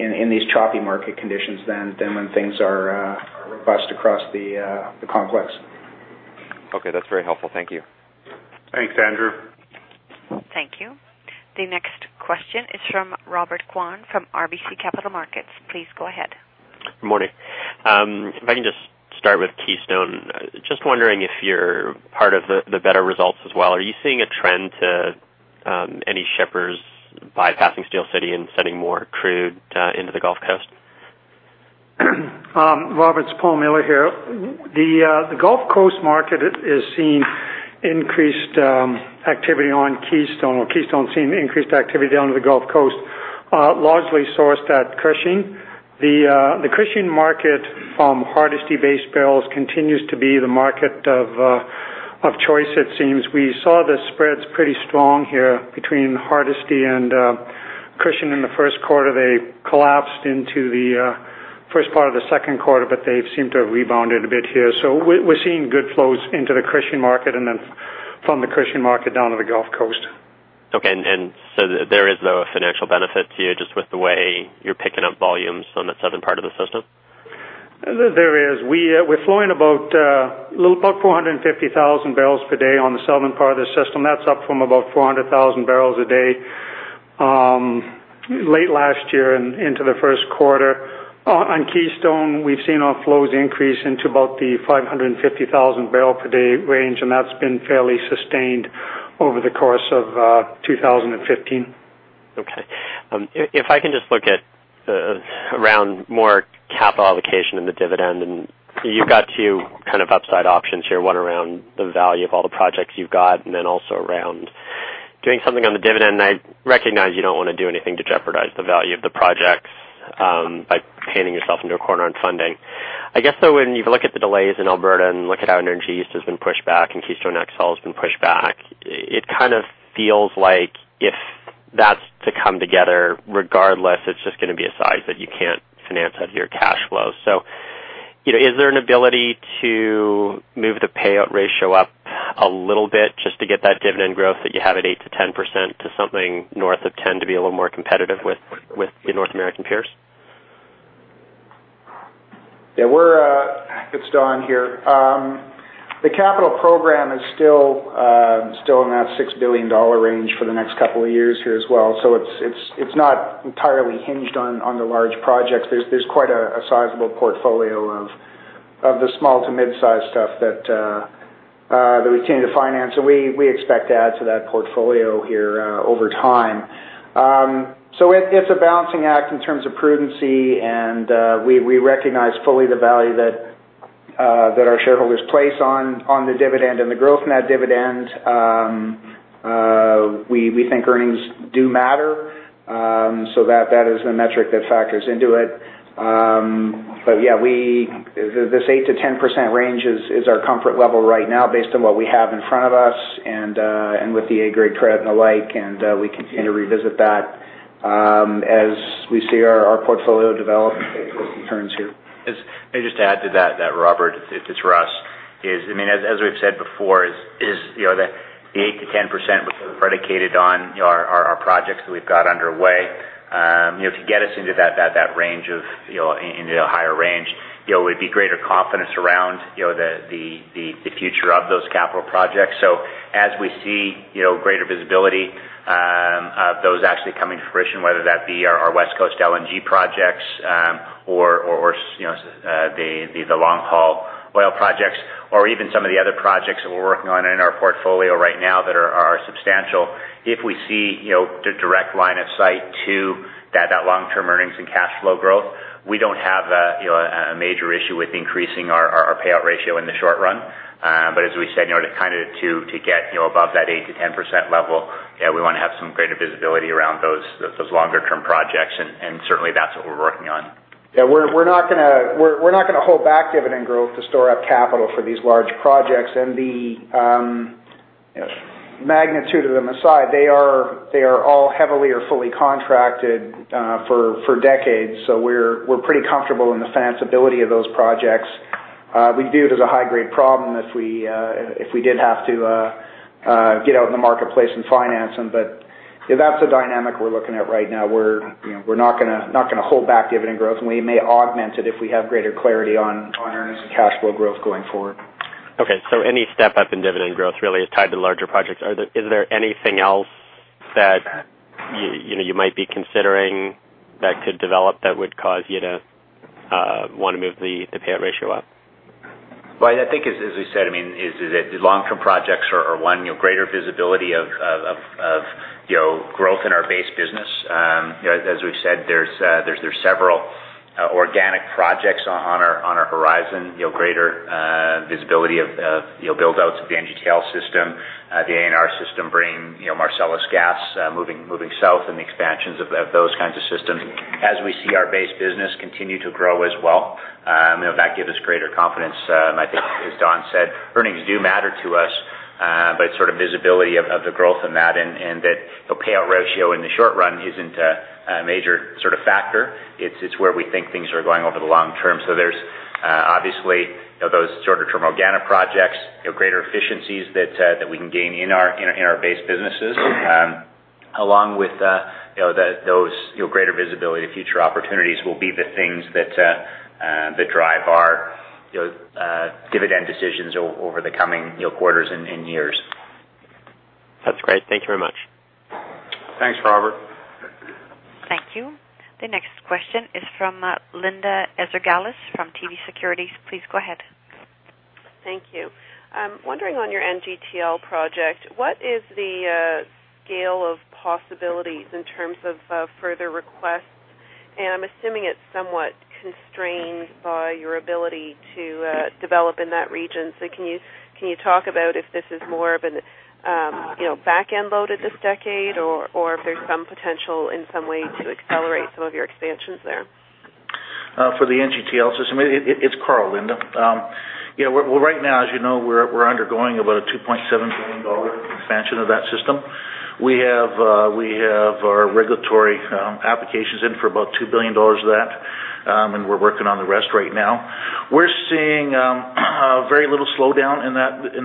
in these choppy market conditions than when things are robust across the complex. Okay, that's very helpful. Thank you. Thanks, Andrew. Thank you. The next question is from Robert Kwan from RBC Capital Markets. Please go ahead. Good morning. If I can just start with Keystone. Just wondering if you're part of the better results as well. Are you seeing a trend to any shippers bypassing Steele City and sending more crude into the Gulf Coast? Robert, it's Paul Miller here. The Gulf Coast market has seen increased activity on Keystone, or Keystone's seen increased activity down to the Gulf Coast, largely sourced at Cushing. The Cushing market, Hardisty-based barrels continues to be the market of choice, it seems. We saw the spreads pretty strong here between Hardisty and Cushing in the first quarter. They collapsed into the first part of the second quarter, but they've seemed to have rebounded a bit here. We're seeing good flows into the Cushing market, and then from the Cushing market down to the Gulf Coast. Okay. Is there a financial benefit to you just with the way you're picking up volumes from the southern part of the system? There is. We're flowing about 450,000 barrels per day on the southern part of the system. That's up from about 400,000 barrels a day late last year and into the first quarter. On Keystone, we've seen our flows increase into about the 550,000 barrel per day range, and that's been fairly sustained over the course of 2015. Okay. If I can just look at around more capital allocation and the dividend, you've got two upside options here. One around the value of all the projects you've got, and then also around doing something on the dividend. I recognize you don't want to do anything to jeopardize the value of the projects by painting yourself into a corner on funding. I guess, though, when you look at the delays in Alberta and look at how Energy East has been pushed back and Keystone XL has been pushed back, it feels like if that's to come together, regardless, it's just gonna be a size that you can't finance out of your cash flow. Is there an ability to move the payout ratio up a little bit, just to get that dividend growth that you have at 8%-10% to something north of 10% to be a little more competitive with your North American peers? It's Don Marchand here. The capital program is still in that 6 billion dollar range for the next couple of years here as well. It's not entirely hinged on the large projects. There's quite a sizable portfolio of the small to mid-size stuff that we continue to finance, and we expect to add to that portfolio here over time. It's a balancing act in terms of prudency, and we recognize fully the value that our shareholders place on the dividend and the growth in that dividend. We think earnings do matter, so that is the metric that factors into it. This 8%-10% range is our comfort level right now based on what we have in front of us and with the A-grade credit and the like, and we continue to revisit that as we see our portfolio develop and take those returns here. May just add to that, Robert, it's Russ Girling. As we've said before, the 8%-10% was predicated on our projects that we've got underway. To get us into that range, into the higher range, would be greater confidence around the future of those capital projects. As we see greater visibility of those actually coming to fruition, whether that be our West Coast LNG projects or the long-haul oil projects or even some of the other projects that we're working on in our portfolio right now that are substantial. If we see direct line of sight to that long-term earnings and cash flow growth, we don't have a major issue with increasing our payout ratio in the short run. As we said, to get above that 8%-10% level, we want to have some greater visibility around those longer-term projects, and certainly, that's what we're working on. We're not going to hold back dividend growth to store up capital for these large projects. The magnitude of them aside, they are all heavily or fully contracted for decades. We're pretty comfortable in the financeability of those projects. We view it as a high-grade problem if we did have to get out in the marketplace and finance them, but that's the dynamic we're looking at right now. We're not going to hold back dividend growth, and we may augment it if we have greater clarity on earnings and cash flow growth going forward. Any step-up in dividend growth really is tied to larger projects. Is there anything else that you might be considering that could develop that would cause you to want to move the payout ratio up? Well, I think as we said, the long-term projects are one. Greater visibility of growth in our base business. As we've said, there are several organic projects on our horizon. Greater visibility of build-outs of the NGTL system, the ANR system, bringing Marcellus gas moving south, and the expansions of those kinds of systems. As we see our base business continue to grow as well, that gives us greater confidence. I think as Don said, earnings do matter to us. Visibility of the growth in that, and the payout ratio in the short run isn't a major factor. It's where we think things are going over the long term. There's obviously those shorter-term organic projects, greater efficiencies that we can gain in our base businesses, along with those greater visibility future opportunities will be the things that drive our dividend decisions over the coming quarters and years. That's great. Thank you very much. Thanks, Robert. The next question is from Linda Ezergailis from TD Securities. Please go ahead. Thank you. I'm wondering on your NGTL project, what is the scale of possibilities in terms of further requests? I'm assuming it's somewhat constrained by your ability to develop in that region. Can you talk about if this is more of a back-end load of this decade or if there's some potential in some way to accelerate some of your expansions there? For the NGTL system, it's Karl, Linda. Right now, as you know, we're undergoing about a 2.7 billion dollar expansion of that system. We have our regulatory applications in for about 2 billion dollars of that. We're working on the rest right now. We're seeing very little slowdown in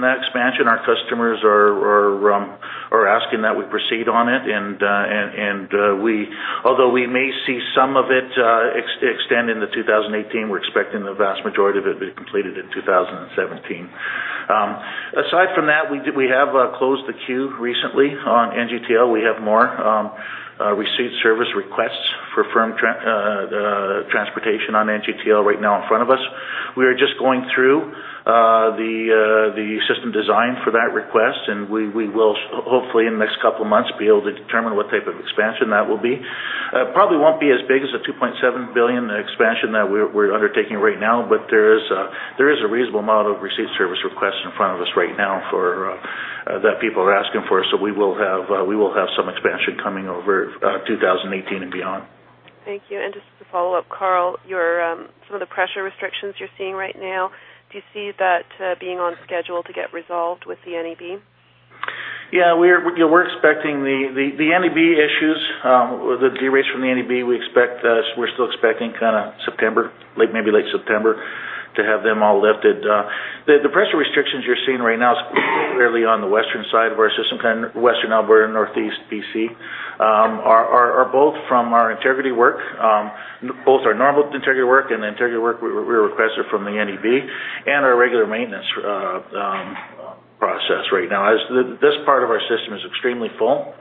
that expansion. Our customers are asking that we proceed on it. Although we may see some of it extend into 2018, we're expecting the vast majority of it to be completed in 2017. Aside from that, we have closed the queue recently on NGTL. We have more received service requests for firm transportation on NGTL right now in front of us. We are just going through the system design for that request. We will hopefully in the next couple of months, be able to determine what type of expansion that will be. Probably won't be as big as a 2.7 billion expansion that we're undertaking right now. There is a reasonable amount of received service requests in front of us right now that people are asking for. We will have some expansion coming over 2018 and beyond. Thank you. Just to follow up, Karl, some of the pressure restrictions you're seeing right now, do you see that being on schedule to get resolved with the NEB? Yeah. The NEB issues, the derates from the NEB, we're still expecting September, maybe late September, to have them all lifted. The pressure restrictions you're seeing right now, particularly on the western side of our system, Western Alberta, Northeast B.C., are both from our integrity work, both our normal integrity work and the integrity work we requested from the NEB, and our regular maintenance process right now. This part of our system is extremely full,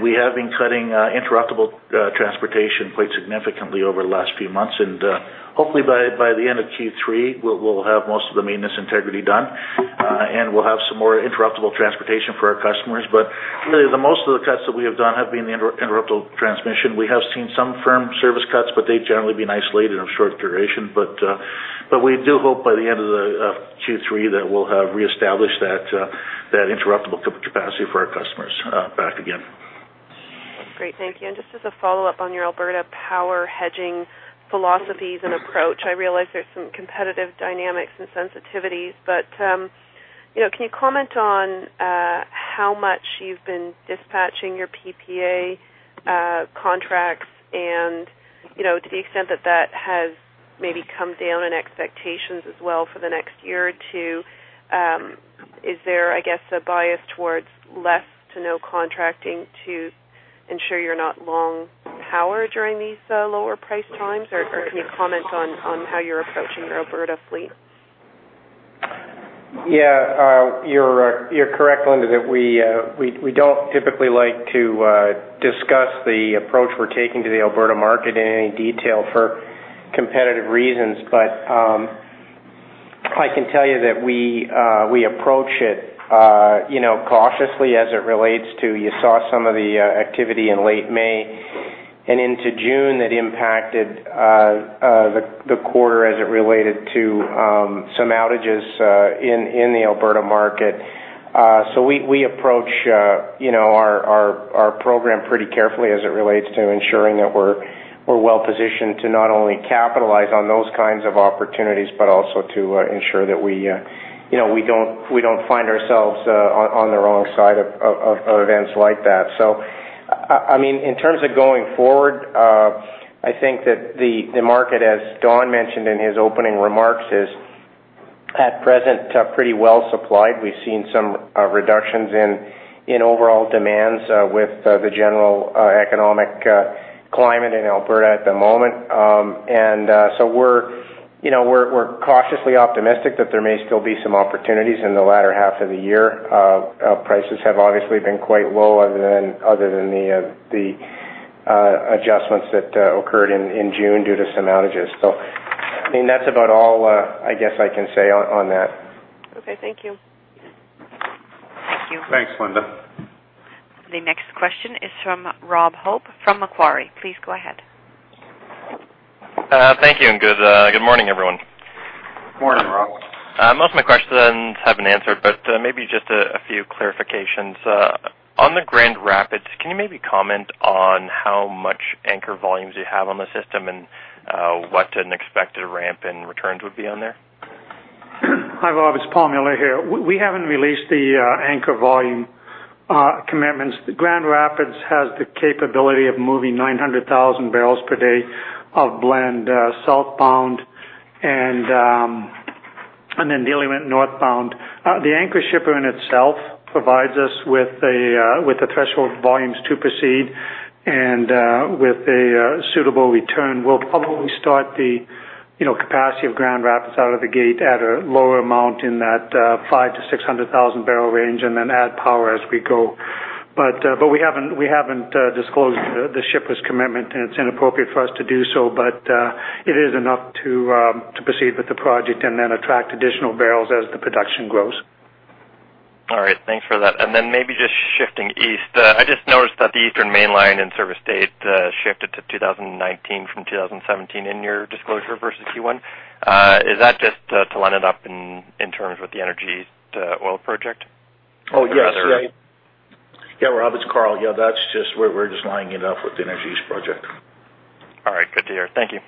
we have been cutting interruptible transportation quite significantly over the last few months. Hopefully, by the end of Q3, we'll have most of the maintenance integrity done, and we'll have some more interruptible transportation for our customers. Really, the most of the cuts that we have done have been the interruptible transmission. We have seen some firm service cuts, but they've generally been isolated of short duration. We do hope by the end of Q3 that we'll have reestablished that interruptible capacity for our customers back again. Great. Thank you. Just as a follow-up on your Alberta power hedging philosophies and approach, I realize there's some competitive dynamics and sensitivities, but can you comment on how much you've been dispatching your PPA contracts and to the extent that that has maybe come down in expectations as well for the next year or two? Is there, I guess, a bias towards less to no contracting to ensure you're not long power during these lower price times? Can you comment on how you're approaching your Alberta fleet? Yeah. You're correct, Linda, that we don't typically like to discuss the approach we're taking to the Alberta market in any detail for competitive reasons. I can tell you that we approach it cautiously as it relates to, you saw some of the activity in late May and into June that impacted the quarter as it related to some outages in the Alberta market. We approach our program pretty carefully as it relates to ensuring that we're well-positioned to not only capitalize on those kinds of opportunities, but also to ensure that we don't find ourselves on the wrong side of events like that. In terms of going forward, I think that the market, as Don mentioned in his opening remarks, is at present pretty well-supplied. We've seen some reductions in overall demands with the general economic climate in Alberta at the moment. We're cautiously optimistic that there may still be some opportunities in the latter half of the year. Prices have obviously been quite low other than the adjustments that occurred in June due to some outages. That's about all I guess I can say on that. Okay. Thank you. Thank you. Thanks, Linda. The next question is from Rob Hope from Macquarie. Please go ahead. Thank you. Good morning, everyone. Morning, Rob. Most of my questions have been answered. Maybe just a few clarifications. On the Grand Rapids, can you maybe comment on how much anchor volumes you have on the system and what an expected ramp in returns would be on there? Hi, Rob. It's Paul Miller here. We haven't released the anchor volume commitments. The Grand Rapids has the capability of moving 900,000 barrels per day of blend southbound, then dealing with northbound. The anchor shipper in itself provides us with the threshold volumes to proceed and with a suitable return. We'll probably start the Capacity of Grand Rapids out of the gate at a lower amount in that 500,000-600,000-barrel range, then add power as we go. We haven't disclosed the shipper's commitment, and it's inappropriate for us to do so. It is enough to proceed with the project and then attract additional barrels as the production grows. All right. Thanks for that. Then maybe just shifting east. I just noticed that the eastern main line in service date shifted to 2019 from 2017 in your disclosure versus Q1. Is that just to line it up in terms with the Energy East oil project? Oh, yes. Yeah, Rob, it's Karl. Yeah, we're just lining it up with the Energy East project. All right, good to hear. Thank you.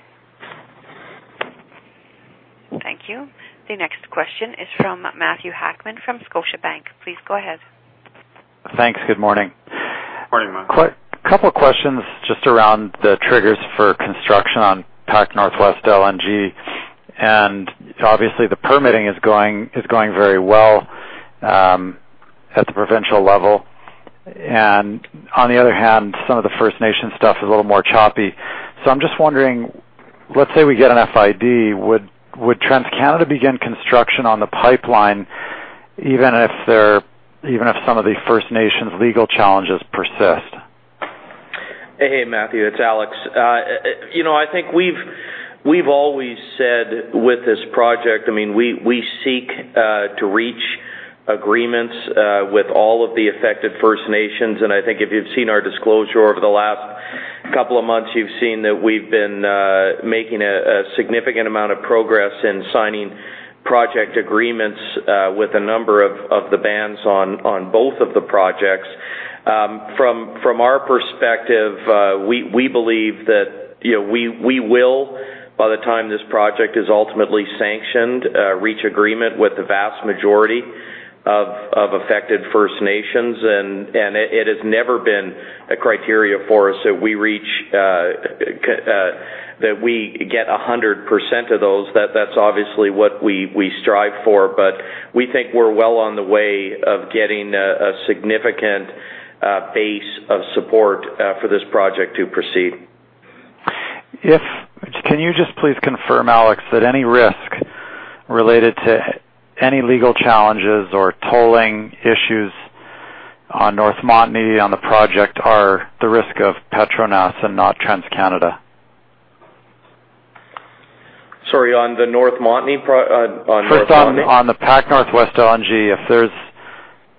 Thank you. The next question is from Matthew Akman from Scotiabank. Please go ahead. Thanks. Good morning. Morning, Matthew. A couple questions just around the triggers for construction on Pacific NorthWest LNG. Obviously, the permitting is going very well at the provincial level. On the other hand, some of the First Nations stuff is a little more choppy. I'm just wondering, let's say we get an FID, would TransCanada begin construction on the pipeline even if some of the First Nations legal challenges persist? Hey, Matthew, it's Alex. I think we've always said with this project, we seek to reach agreements with all of the affected First Nations. I think if you've seen our disclosure over the last couple of months, you've seen that we've been making a significant amount of progress in signing project agreements with a number of the bands on both of the projects. From our perspective, we believe that we will, by the time this project is ultimately sanctioned, reach agreement with the vast majority of affected First Nations. It has never been a criteria for us that we get 100% of those. That's obviously what we strive for. We think we're well on the way of getting a significant base of support for this project to proceed. Can you just please confirm, Alex, that any risk related to any legal challenges or tolling issues on North Montney on the project are the risk of Petronas and not TransCanada? Sorry, on North Montney? First, on the Pacific NorthWest LNG, if there's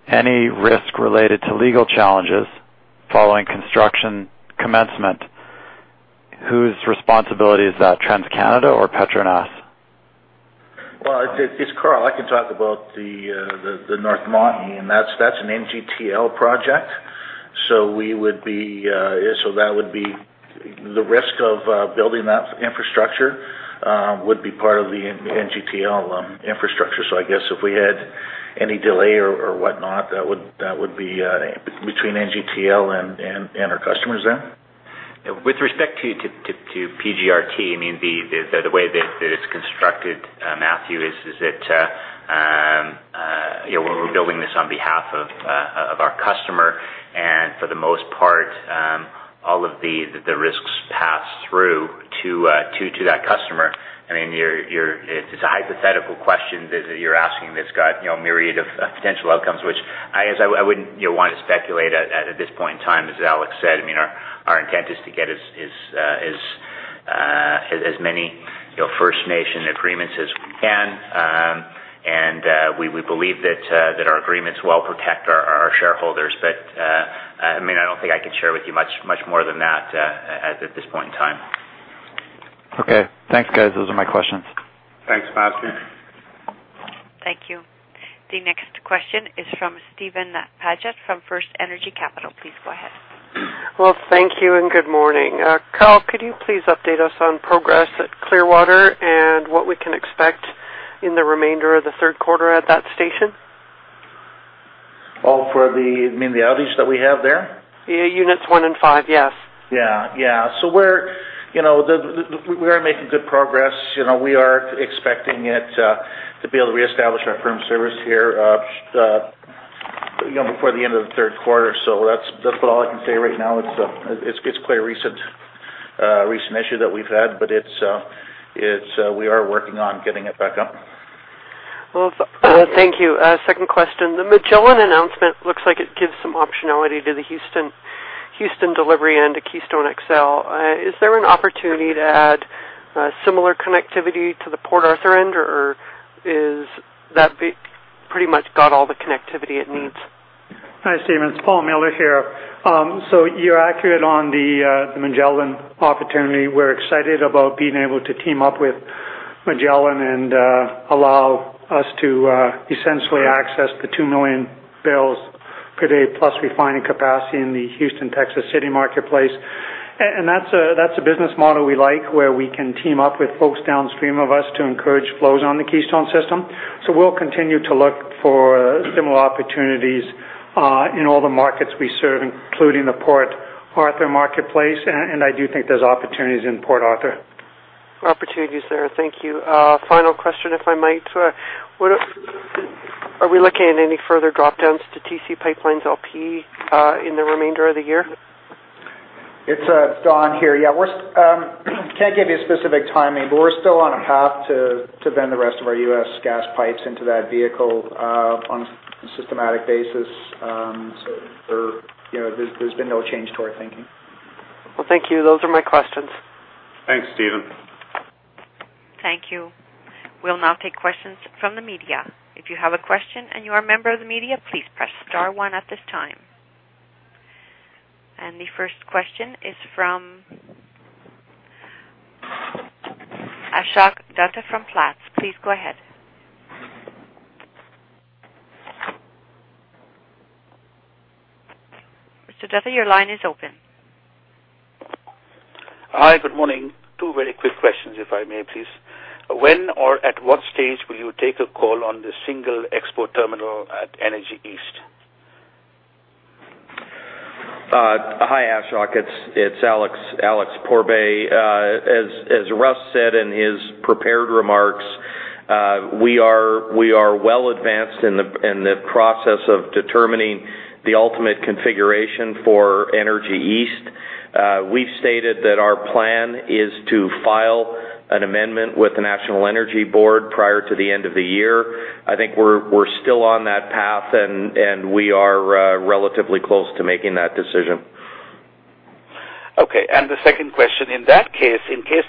any risk related to legal challenges following construction commencement, whose responsibility is that, TransCanada or Petronas? Well, it's Karl. I can talk about the North Montney, that's an NGTL project. That would be the risk of building that infrastructure would be part of the NGTL infrastructure. I guess if we had any delay or whatnot, that would be between NGTL and our customers there. With respect to PGRT, the way that it's constructed, Matthew, is that we're building this on behalf of our customer, for the most part, all of the risks pass through to that customer. It's a hypothetical question that you're asking that's got a myriad of potential outcomes, which I guess I wouldn't want to speculate at this point in time. As Alex said, our intent is to get as many First Nation agreements as we can. We believe that our agreements well protect our shareholders. I don't think I can share with you much more than that at this point in time. Okay. Thanks, guys. Those are my questions. Thanks, Matthew. Thank you. The next question is from Steven Paget from FirstEnergy Capital. Please go ahead. Well, thank you, and good morning. Karl, could you please update us on progress at Clearwater and what we can expect in the remainder of the third quarter at that station? You mean the outage that we have there? Yeah, units one and five, yes. Yeah. We are making good progress. We are expecting it to be able to reestablish our firm service here before the end of the third quarter. That's all I can say right now. It's quite a recent issue that we've had, but we are working on getting it back up. Well, thank you. Second question. The Magellan announcement looks like it gives some optionality to the Houston delivery and to Keystone XL. Is there an opportunity to add similar connectivity to the Port Arthur end, or is that pretty much got all the connectivity it needs? Hi, Steven. It's Paul Miller here. You're accurate on the Magellan opportunity. We're excited about being able to team up with Magellan and allow us to essentially access the 2-million-barrels-per-day plus refining capacity in the Houston, Texas City marketplace. That's a business model we like, where we can team up with folks downstream of us to encourage flows on the Keystone system. We'll continue to look for similar opportunities in all the markets we serve, including the Port Arthur marketplace, and I do think there's opportunities in Port Arthur. Opportunities there. Thank you. Final question, if I might. Are we looking at any further drop-downs to TC PipeLines, LP in the remainder of the year? It's Don here. Yeah, we can't give you specific timing, but we're still on a path to vend the rest of our U.S. gas pipes into that vehicle on a systematic basis. There's been no change to our thinking. Thank you. Those are my questions. Thanks, Stephen. Thank you. We'll now take questions from the media. If you have a question and you are a member of the media, please press *1 at this time. The first question is from Ashok Dutta from Platts. Please go ahead. Mr. Dutta, your line is open. Hi, good morning. Two very quick questions, if I may, please. When or at what stage will you take a call on the single export terminal at Energy East? Hi, Ashok. It's Alex Pourbaix. As Russ said in his prepared remarks, we are well advanced in the process of determining the ultimate configuration for Energy East. We've stated that our plan is to file an amendment with the National Energy Board prior to the end of the year. I think we're still on that path, we are relatively close to making that decision. Okay. The second question, in that case, in case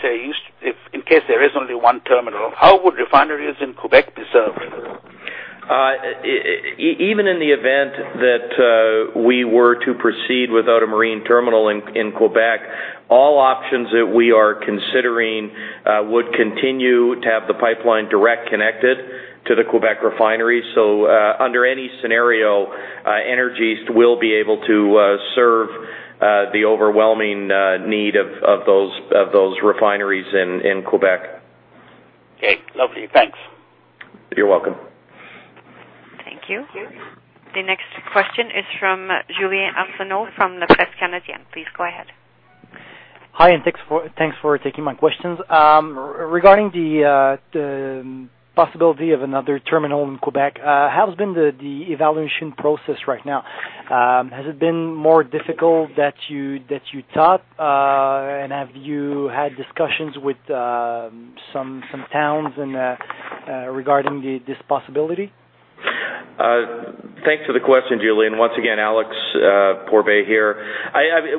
there is only one terminal, how would refineries in Quebec be served? Even in the event that we were to proceed without a marine terminal in Quebec, all options that we are considering would continue to have the pipeline direct connected to the Quebec refinery. Under any scenario, Energy East will be able to serve the overwhelming need of those refineries in Quebec. Okay, lovely. Thanks. You're welcome. Thank you. The next question is from Julien Arsenault from La Presse Canadienne. Please go ahead. Hi, thanks for taking my questions. Regarding the possibility of another terminal in Quebec, how has been the evaluation process right now? Has it been more difficult than you thought? Have you had discussions with some towns regarding this possibility? Thanks for the question, Julien. Once again, Alex Pourbaix here.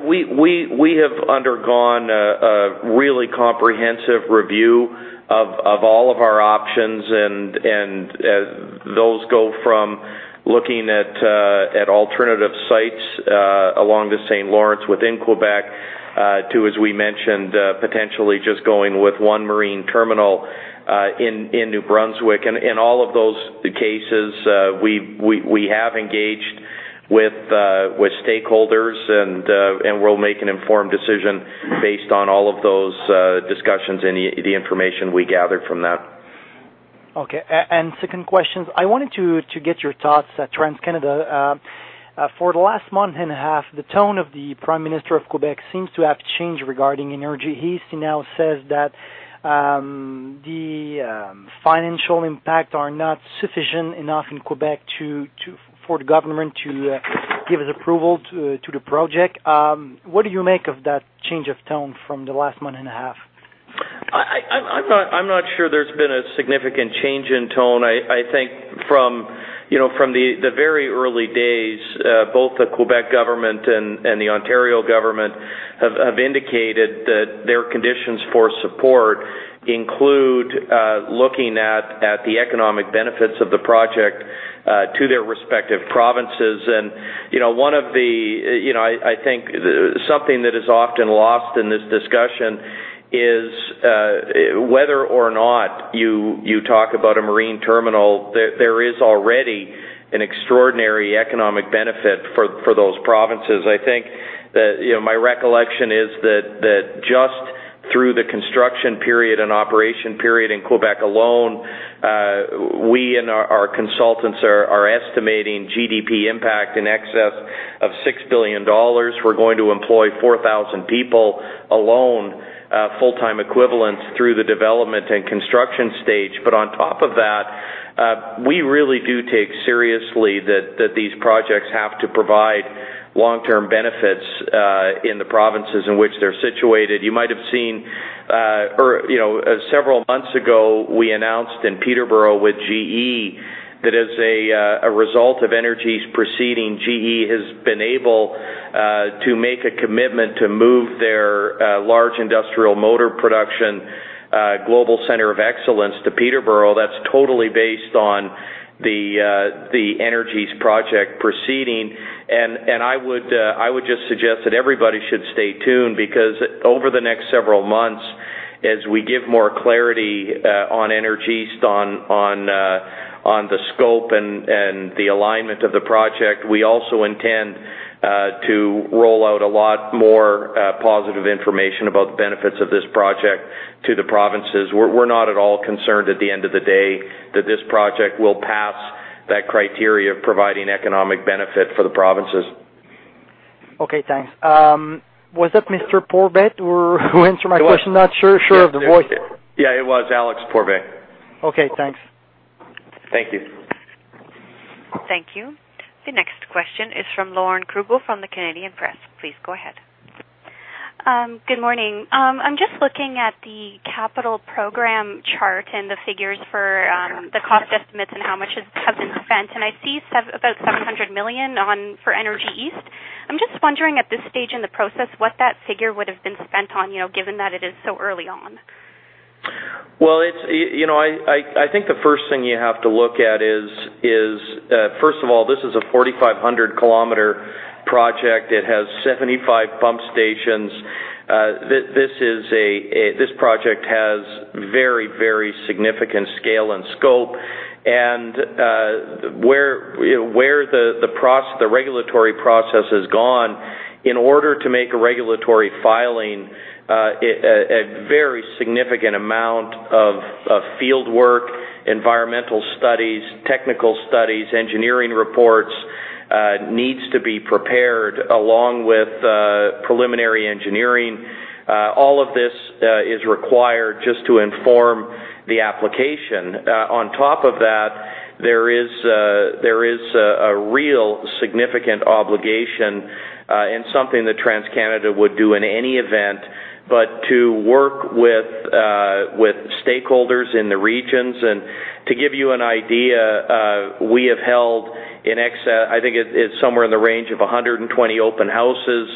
We have undergone a really comprehensive review of all of our options, and those go from looking at alternative sites along the St. Lawrence within Quebec to, as we mentioned, potentially just going with one marine terminal in New Brunswick. In all of those cases, we have engaged with stakeholders, and we'll make an informed decision based on all of those discussions and the information we gathered from that. Okay. Second question, I wanted to get your thoughts. TransCanada, for the last month and a half, the tone of the Prime Minister of Quebec seems to have changed regarding Energy East. He now says that the financial impact are not sufficient enough in Quebec for the government to give its approval to the project. What do you make of that change of tone from the last month and a half? I'm not sure there's been a significant change in tone. I think from the very early days, both the Quebec government and the Ontario government have indicated that their conditions for support include looking at the economic benefits of the project to their respective provinces. I think something that is often lost in this discussion is, whether or not you talk about a marine terminal, there is already an extraordinary economic benefit for those provinces. My recollection is that just through the construction period and operation period in Quebec alone, we and our consultants are estimating GDP impact in excess of 6 billion dollars. We're going to employ 4,000 people alone, full-time equivalents, through the development and construction stage. On top of that, we really do take seriously that these projects have to provide long-term benefits in the provinces in which they're situated. You might have seen, several months ago, we announced in Peterborough with GE that as a result of Energy East's proceeding, GE has been able to make a commitment to move their large industrial motor production global center of excellence to Peterborough. That's totally based on the Energy East project proceeding. I would just suggest that everybody should stay tuned, because over the next several months, as we give more clarity on Energy East, on the scope and the alignment of the project, we also intend to roll out a lot more positive information about the benefits of this project to the provinces. We're not at all concerned at the end of the day that this project will pass that criteria of providing economic benefit for the provinces. Okay, thanks. Was that Mr. Pourbaix who answered my question? Not sure of the voice. Yeah, it was Alex Pourbaix. Okay, thanks. Thank you. Thank you. The next question is from Lauren Krugel from The Canadian Press. Please go ahead. Good morning. I'm just looking at the capital program chart and the figures for the cost estimates and how much has been spent, and I see about 700 million for Energy East. I'm just wondering at this stage in the process what that figure would've been spent on, given that it is so early on. Well, I think the first thing you have to look at is, first of all, this is a 4,500-kilometer project. It has 75 pump stations. This project has very, very significant scale and scope. Where the regulatory process has gone, in order to make a regulatory filing, a very significant amount of fieldwork, environmental studies, technical studies, engineering reports, needs to be prepared along with preliminary engineering. All of this is required just to inform the application. On top of that, there is a real significant obligation, and something that TransCanada would do in any event, but to work with stakeholders in the regions. To give you an idea, we have held in excess, I think it's somewhere in the range of 120 open houses.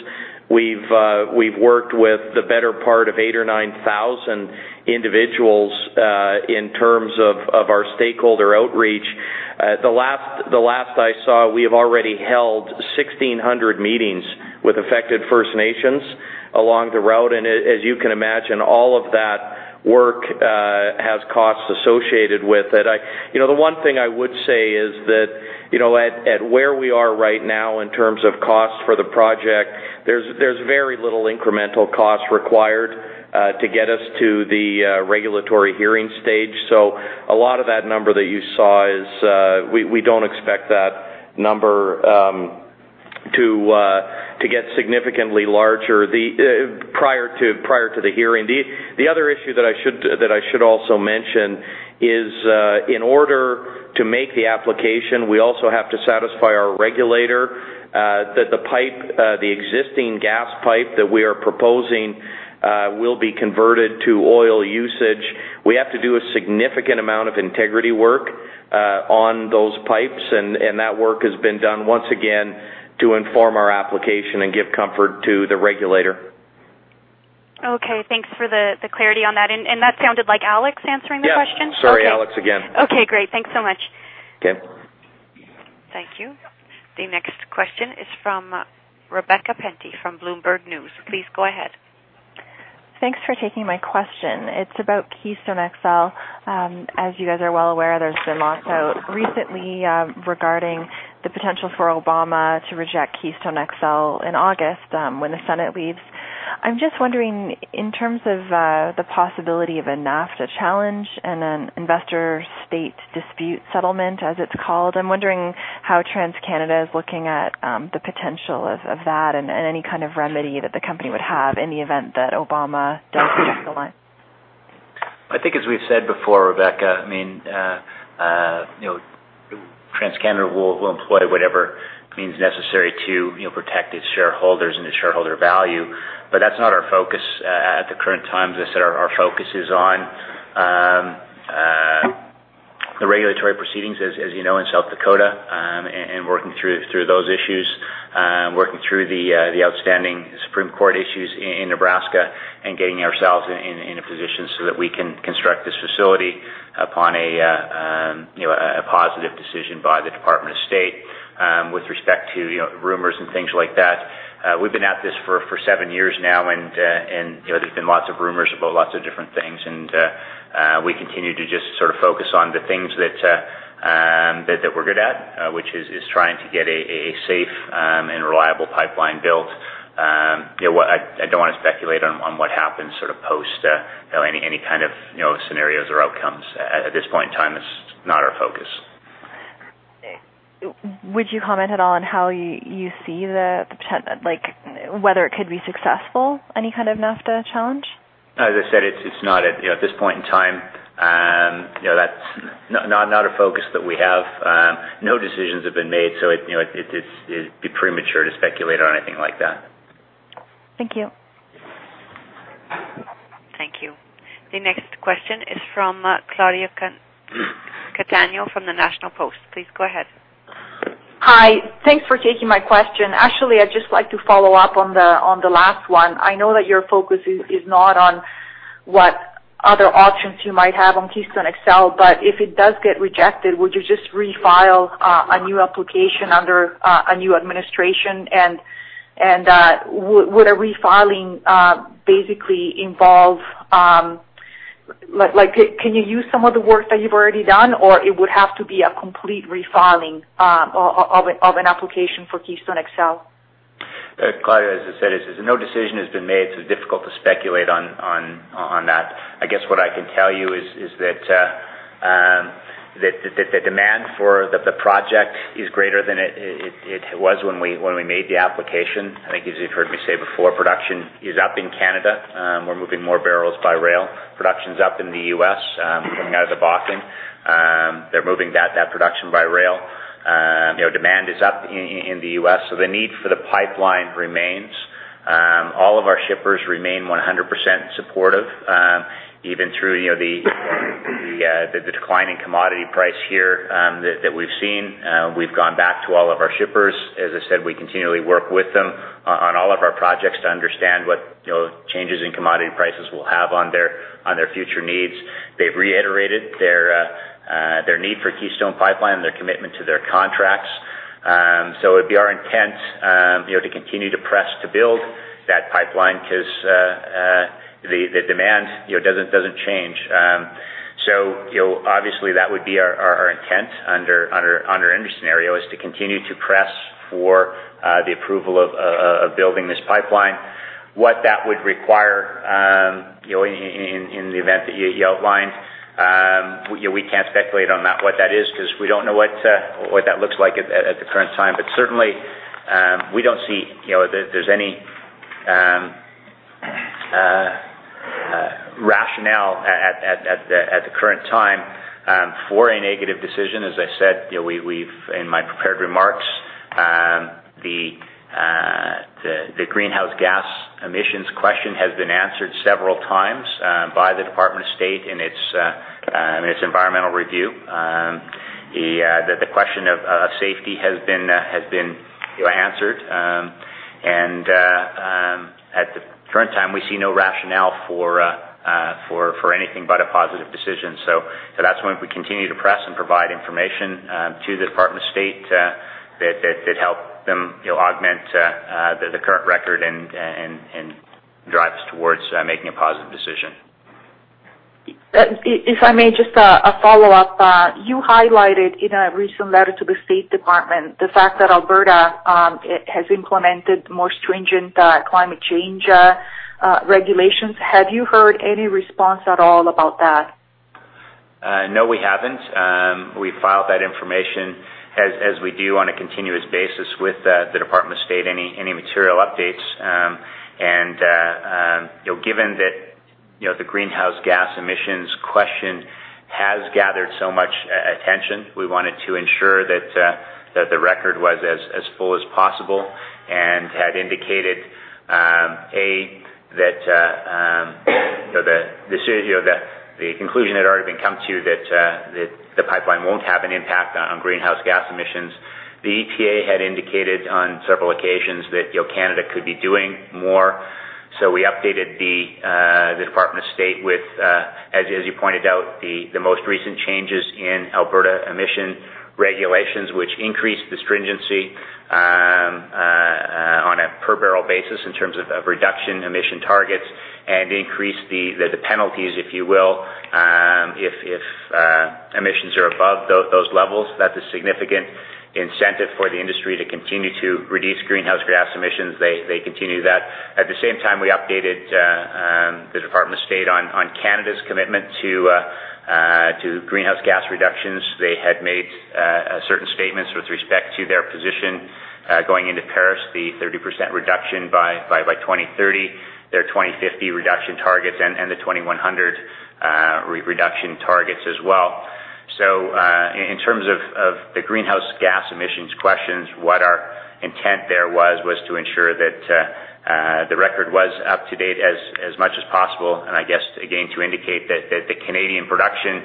We've worked with the better part of 8,000 or 9,000 individuals, in terms of our stakeholder outreach. The last I saw, we have already held 1,600 meetings with affected First Nations along the route, and as you can imagine, all of that work has costs associated with it. The one thing I would say is that at where we are right now in terms of cost for the project, there's very little incremental cost required to get us to the regulatory hearing stage. A lot of that number that you saw, we don't expect that number to get significantly larger prior to the hearing. The other issue that I should also mention is, in order to make the application, we also have to satisfy our regulator that the existing gas pipe that we are proposing will be converted to oil usage. We have to do a significant amount of integrity work on those pipes, and that work has been done, once again, to inform our application and give comfort to the regulator. Okay. Thanks for the clarity on that. That sounded like Alex answering the question? Yeah. Sorry, Alex again. Okay, great. Thanks so much. Okay. Thank you. The next question is from Rebecca Penty from Bloomberg News. Please go ahead. Thanks for taking my question. It's about Keystone XL. As you guys are well aware, there's been lots out recently regarding the potential for Obama to reject Keystone XL in August, when the Senate leaves. I'm just wondering, in terms of the possibility of a NAFTA challenge and an investor-state dispute settlement, as it's called, I'm wondering how TransCanada is looking at the potential of that and any kind of remedy that the company would have in the event that Obama does reject the line. I think as we've said before, Rebecca, TransCanada will employ whatever means necessary to protect its shareholders and its shareholder value, but that's not our focus at the current time. As I said, our focus is on the regulatory proceedings, as you know, in South Dakota, and working through those issues, working through the outstanding Supreme Court issues in Nebraska and getting ourselves in a position so that we can construct this facility upon a positive decision by the Department of State. With respect to rumors and things like that, we've been at this for seven years now, and there's been lots of rumors about lots of different things, and we continue to just focus on the things that we're good at, which is trying to get a safe and reliable pipeline built. I don't want to speculate on what happens post any kind of scenarios or outcomes. At this point in time, that's not our focus. Would you comment at all on how you see the potential, like whether it could be successful, any kind of NAFTA challenge? As I said, at this point in time, that's not a focus that we have. No decisions have been made, so it'd be premature to speculate on anything like that. Thank you. Thank you. The next question is from Claudia Cattaneo from the National Post. Please go ahead. Hi. Thanks for taking my question. Actually, I'd just like to follow up on the last one. I know that your focus is not on what other options you might have on Keystone XL, but if it does get rejected, would you just refile a new application under a new administration? Would a refiling basically involve Can you use some of the work that you've already done, or it would have to be a complete refiling of an application for Keystone XL? Claudia, as I said, no decision has been made, so it's difficult to speculate on that. I guess what I can tell you is that. The demand for the project is greater than it was when we made the application. I think as you have heard me say before, production is up in Canada. We are moving more barrels by rail. Production is up in the U.S., coming out of the Bakken. They are moving that production by rail. Demand is up in the U.S., the need for the pipeline remains. All of our shippers remain 100% supportive, even through the decline in commodity price here that we have seen. We have gone back to all of our shippers. As I said, we continually work with them on all of our projects to understand what changes in commodity prices will have on their future needs. They have reiterated their need for Keystone Pipeline and their commitment to their contracts. It would be our intent to continue to press to build that pipeline because the demand does not change. Obviously that would be our intent under any scenario, is to continue to press for the approval of building this pipeline. What that would require in the event that you outlined, we cannot speculate on what that is because we do not know what that looks like at the current time. Certainly, we do not see there is any rationale at the current time for a negative decision. As I said in my prepared remarks, the greenhouse gas emissions question has been answered several times by the U.S. Department of State in its environmental review. The question of safety has been answered. At the current time, we see no rationale for anything but a positive decision. That is why we continue to press and provide information to the U.S. Department of State that help them augment the current record and drive us towards making a positive decision. If I may, just a follow-up. You highlighted in a recent letter to the U.S. Department of State the fact that Alberta has implemented more stringent climate change regulations. Have you heard any response at all about that? No, we have not. We filed that information, as we do on a continuous basis with the U.S. Department of State, any material updates. Given that the greenhouse gas emissions question has gathered so much attention, we wanted to ensure that the record was as full as possible and had indicated, A, that the conclusion had already been come to that the pipeline will not have an impact on greenhouse gas emissions. The EPA had indicated on several occasions that Canada could be doing more. We updated the U.S. Department of State with, as you pointed out, the most recent changes in Alberta emission regulations, which increased the stringency on a per-barrel basis in terms of reduction emission targets and increased the penalties, if you will, if emissions are above those levels. That is a significant incentive for the industry to continue to reduce greenhouse gas emissions. They continue that. At the same time, we updated the U.S. Department of State on Canada's commitment to greenhouse gas reductions. They had made certain statements with respect to their position going into Paris, the 30% reduction by 2030, their 2050 reduction targets, and the 2100 reduction targets as well. In terms of the greenhouse gas emissions questions, what our intent there was to ensure that the record was up to date as much as possible and I guess, again, to indicate that the Canadian production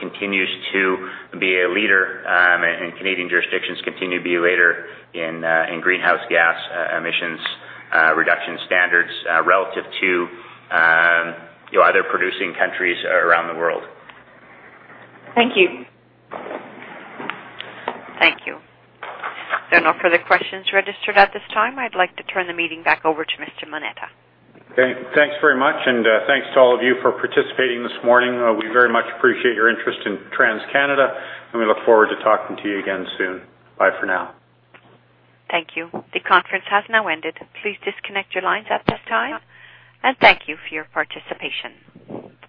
continues to be a leader and Canadian jurisdictions continue to be a leader in greenhouse gas emissions reduction standards relative to other producing countries around the world. Thank you. Thank you. There are no further questions registered at this time. I'd like to turn the meeting back over to Mr. Moneta. Thanks very much, and thanks to all of you for participating this morning. We very much appreciate your interest in TransCanada, and we look forward to talking to you again soon. Bye for now. Thank you. The conference has now ended. Please disconnect your lines at this time, and thank you for your participation.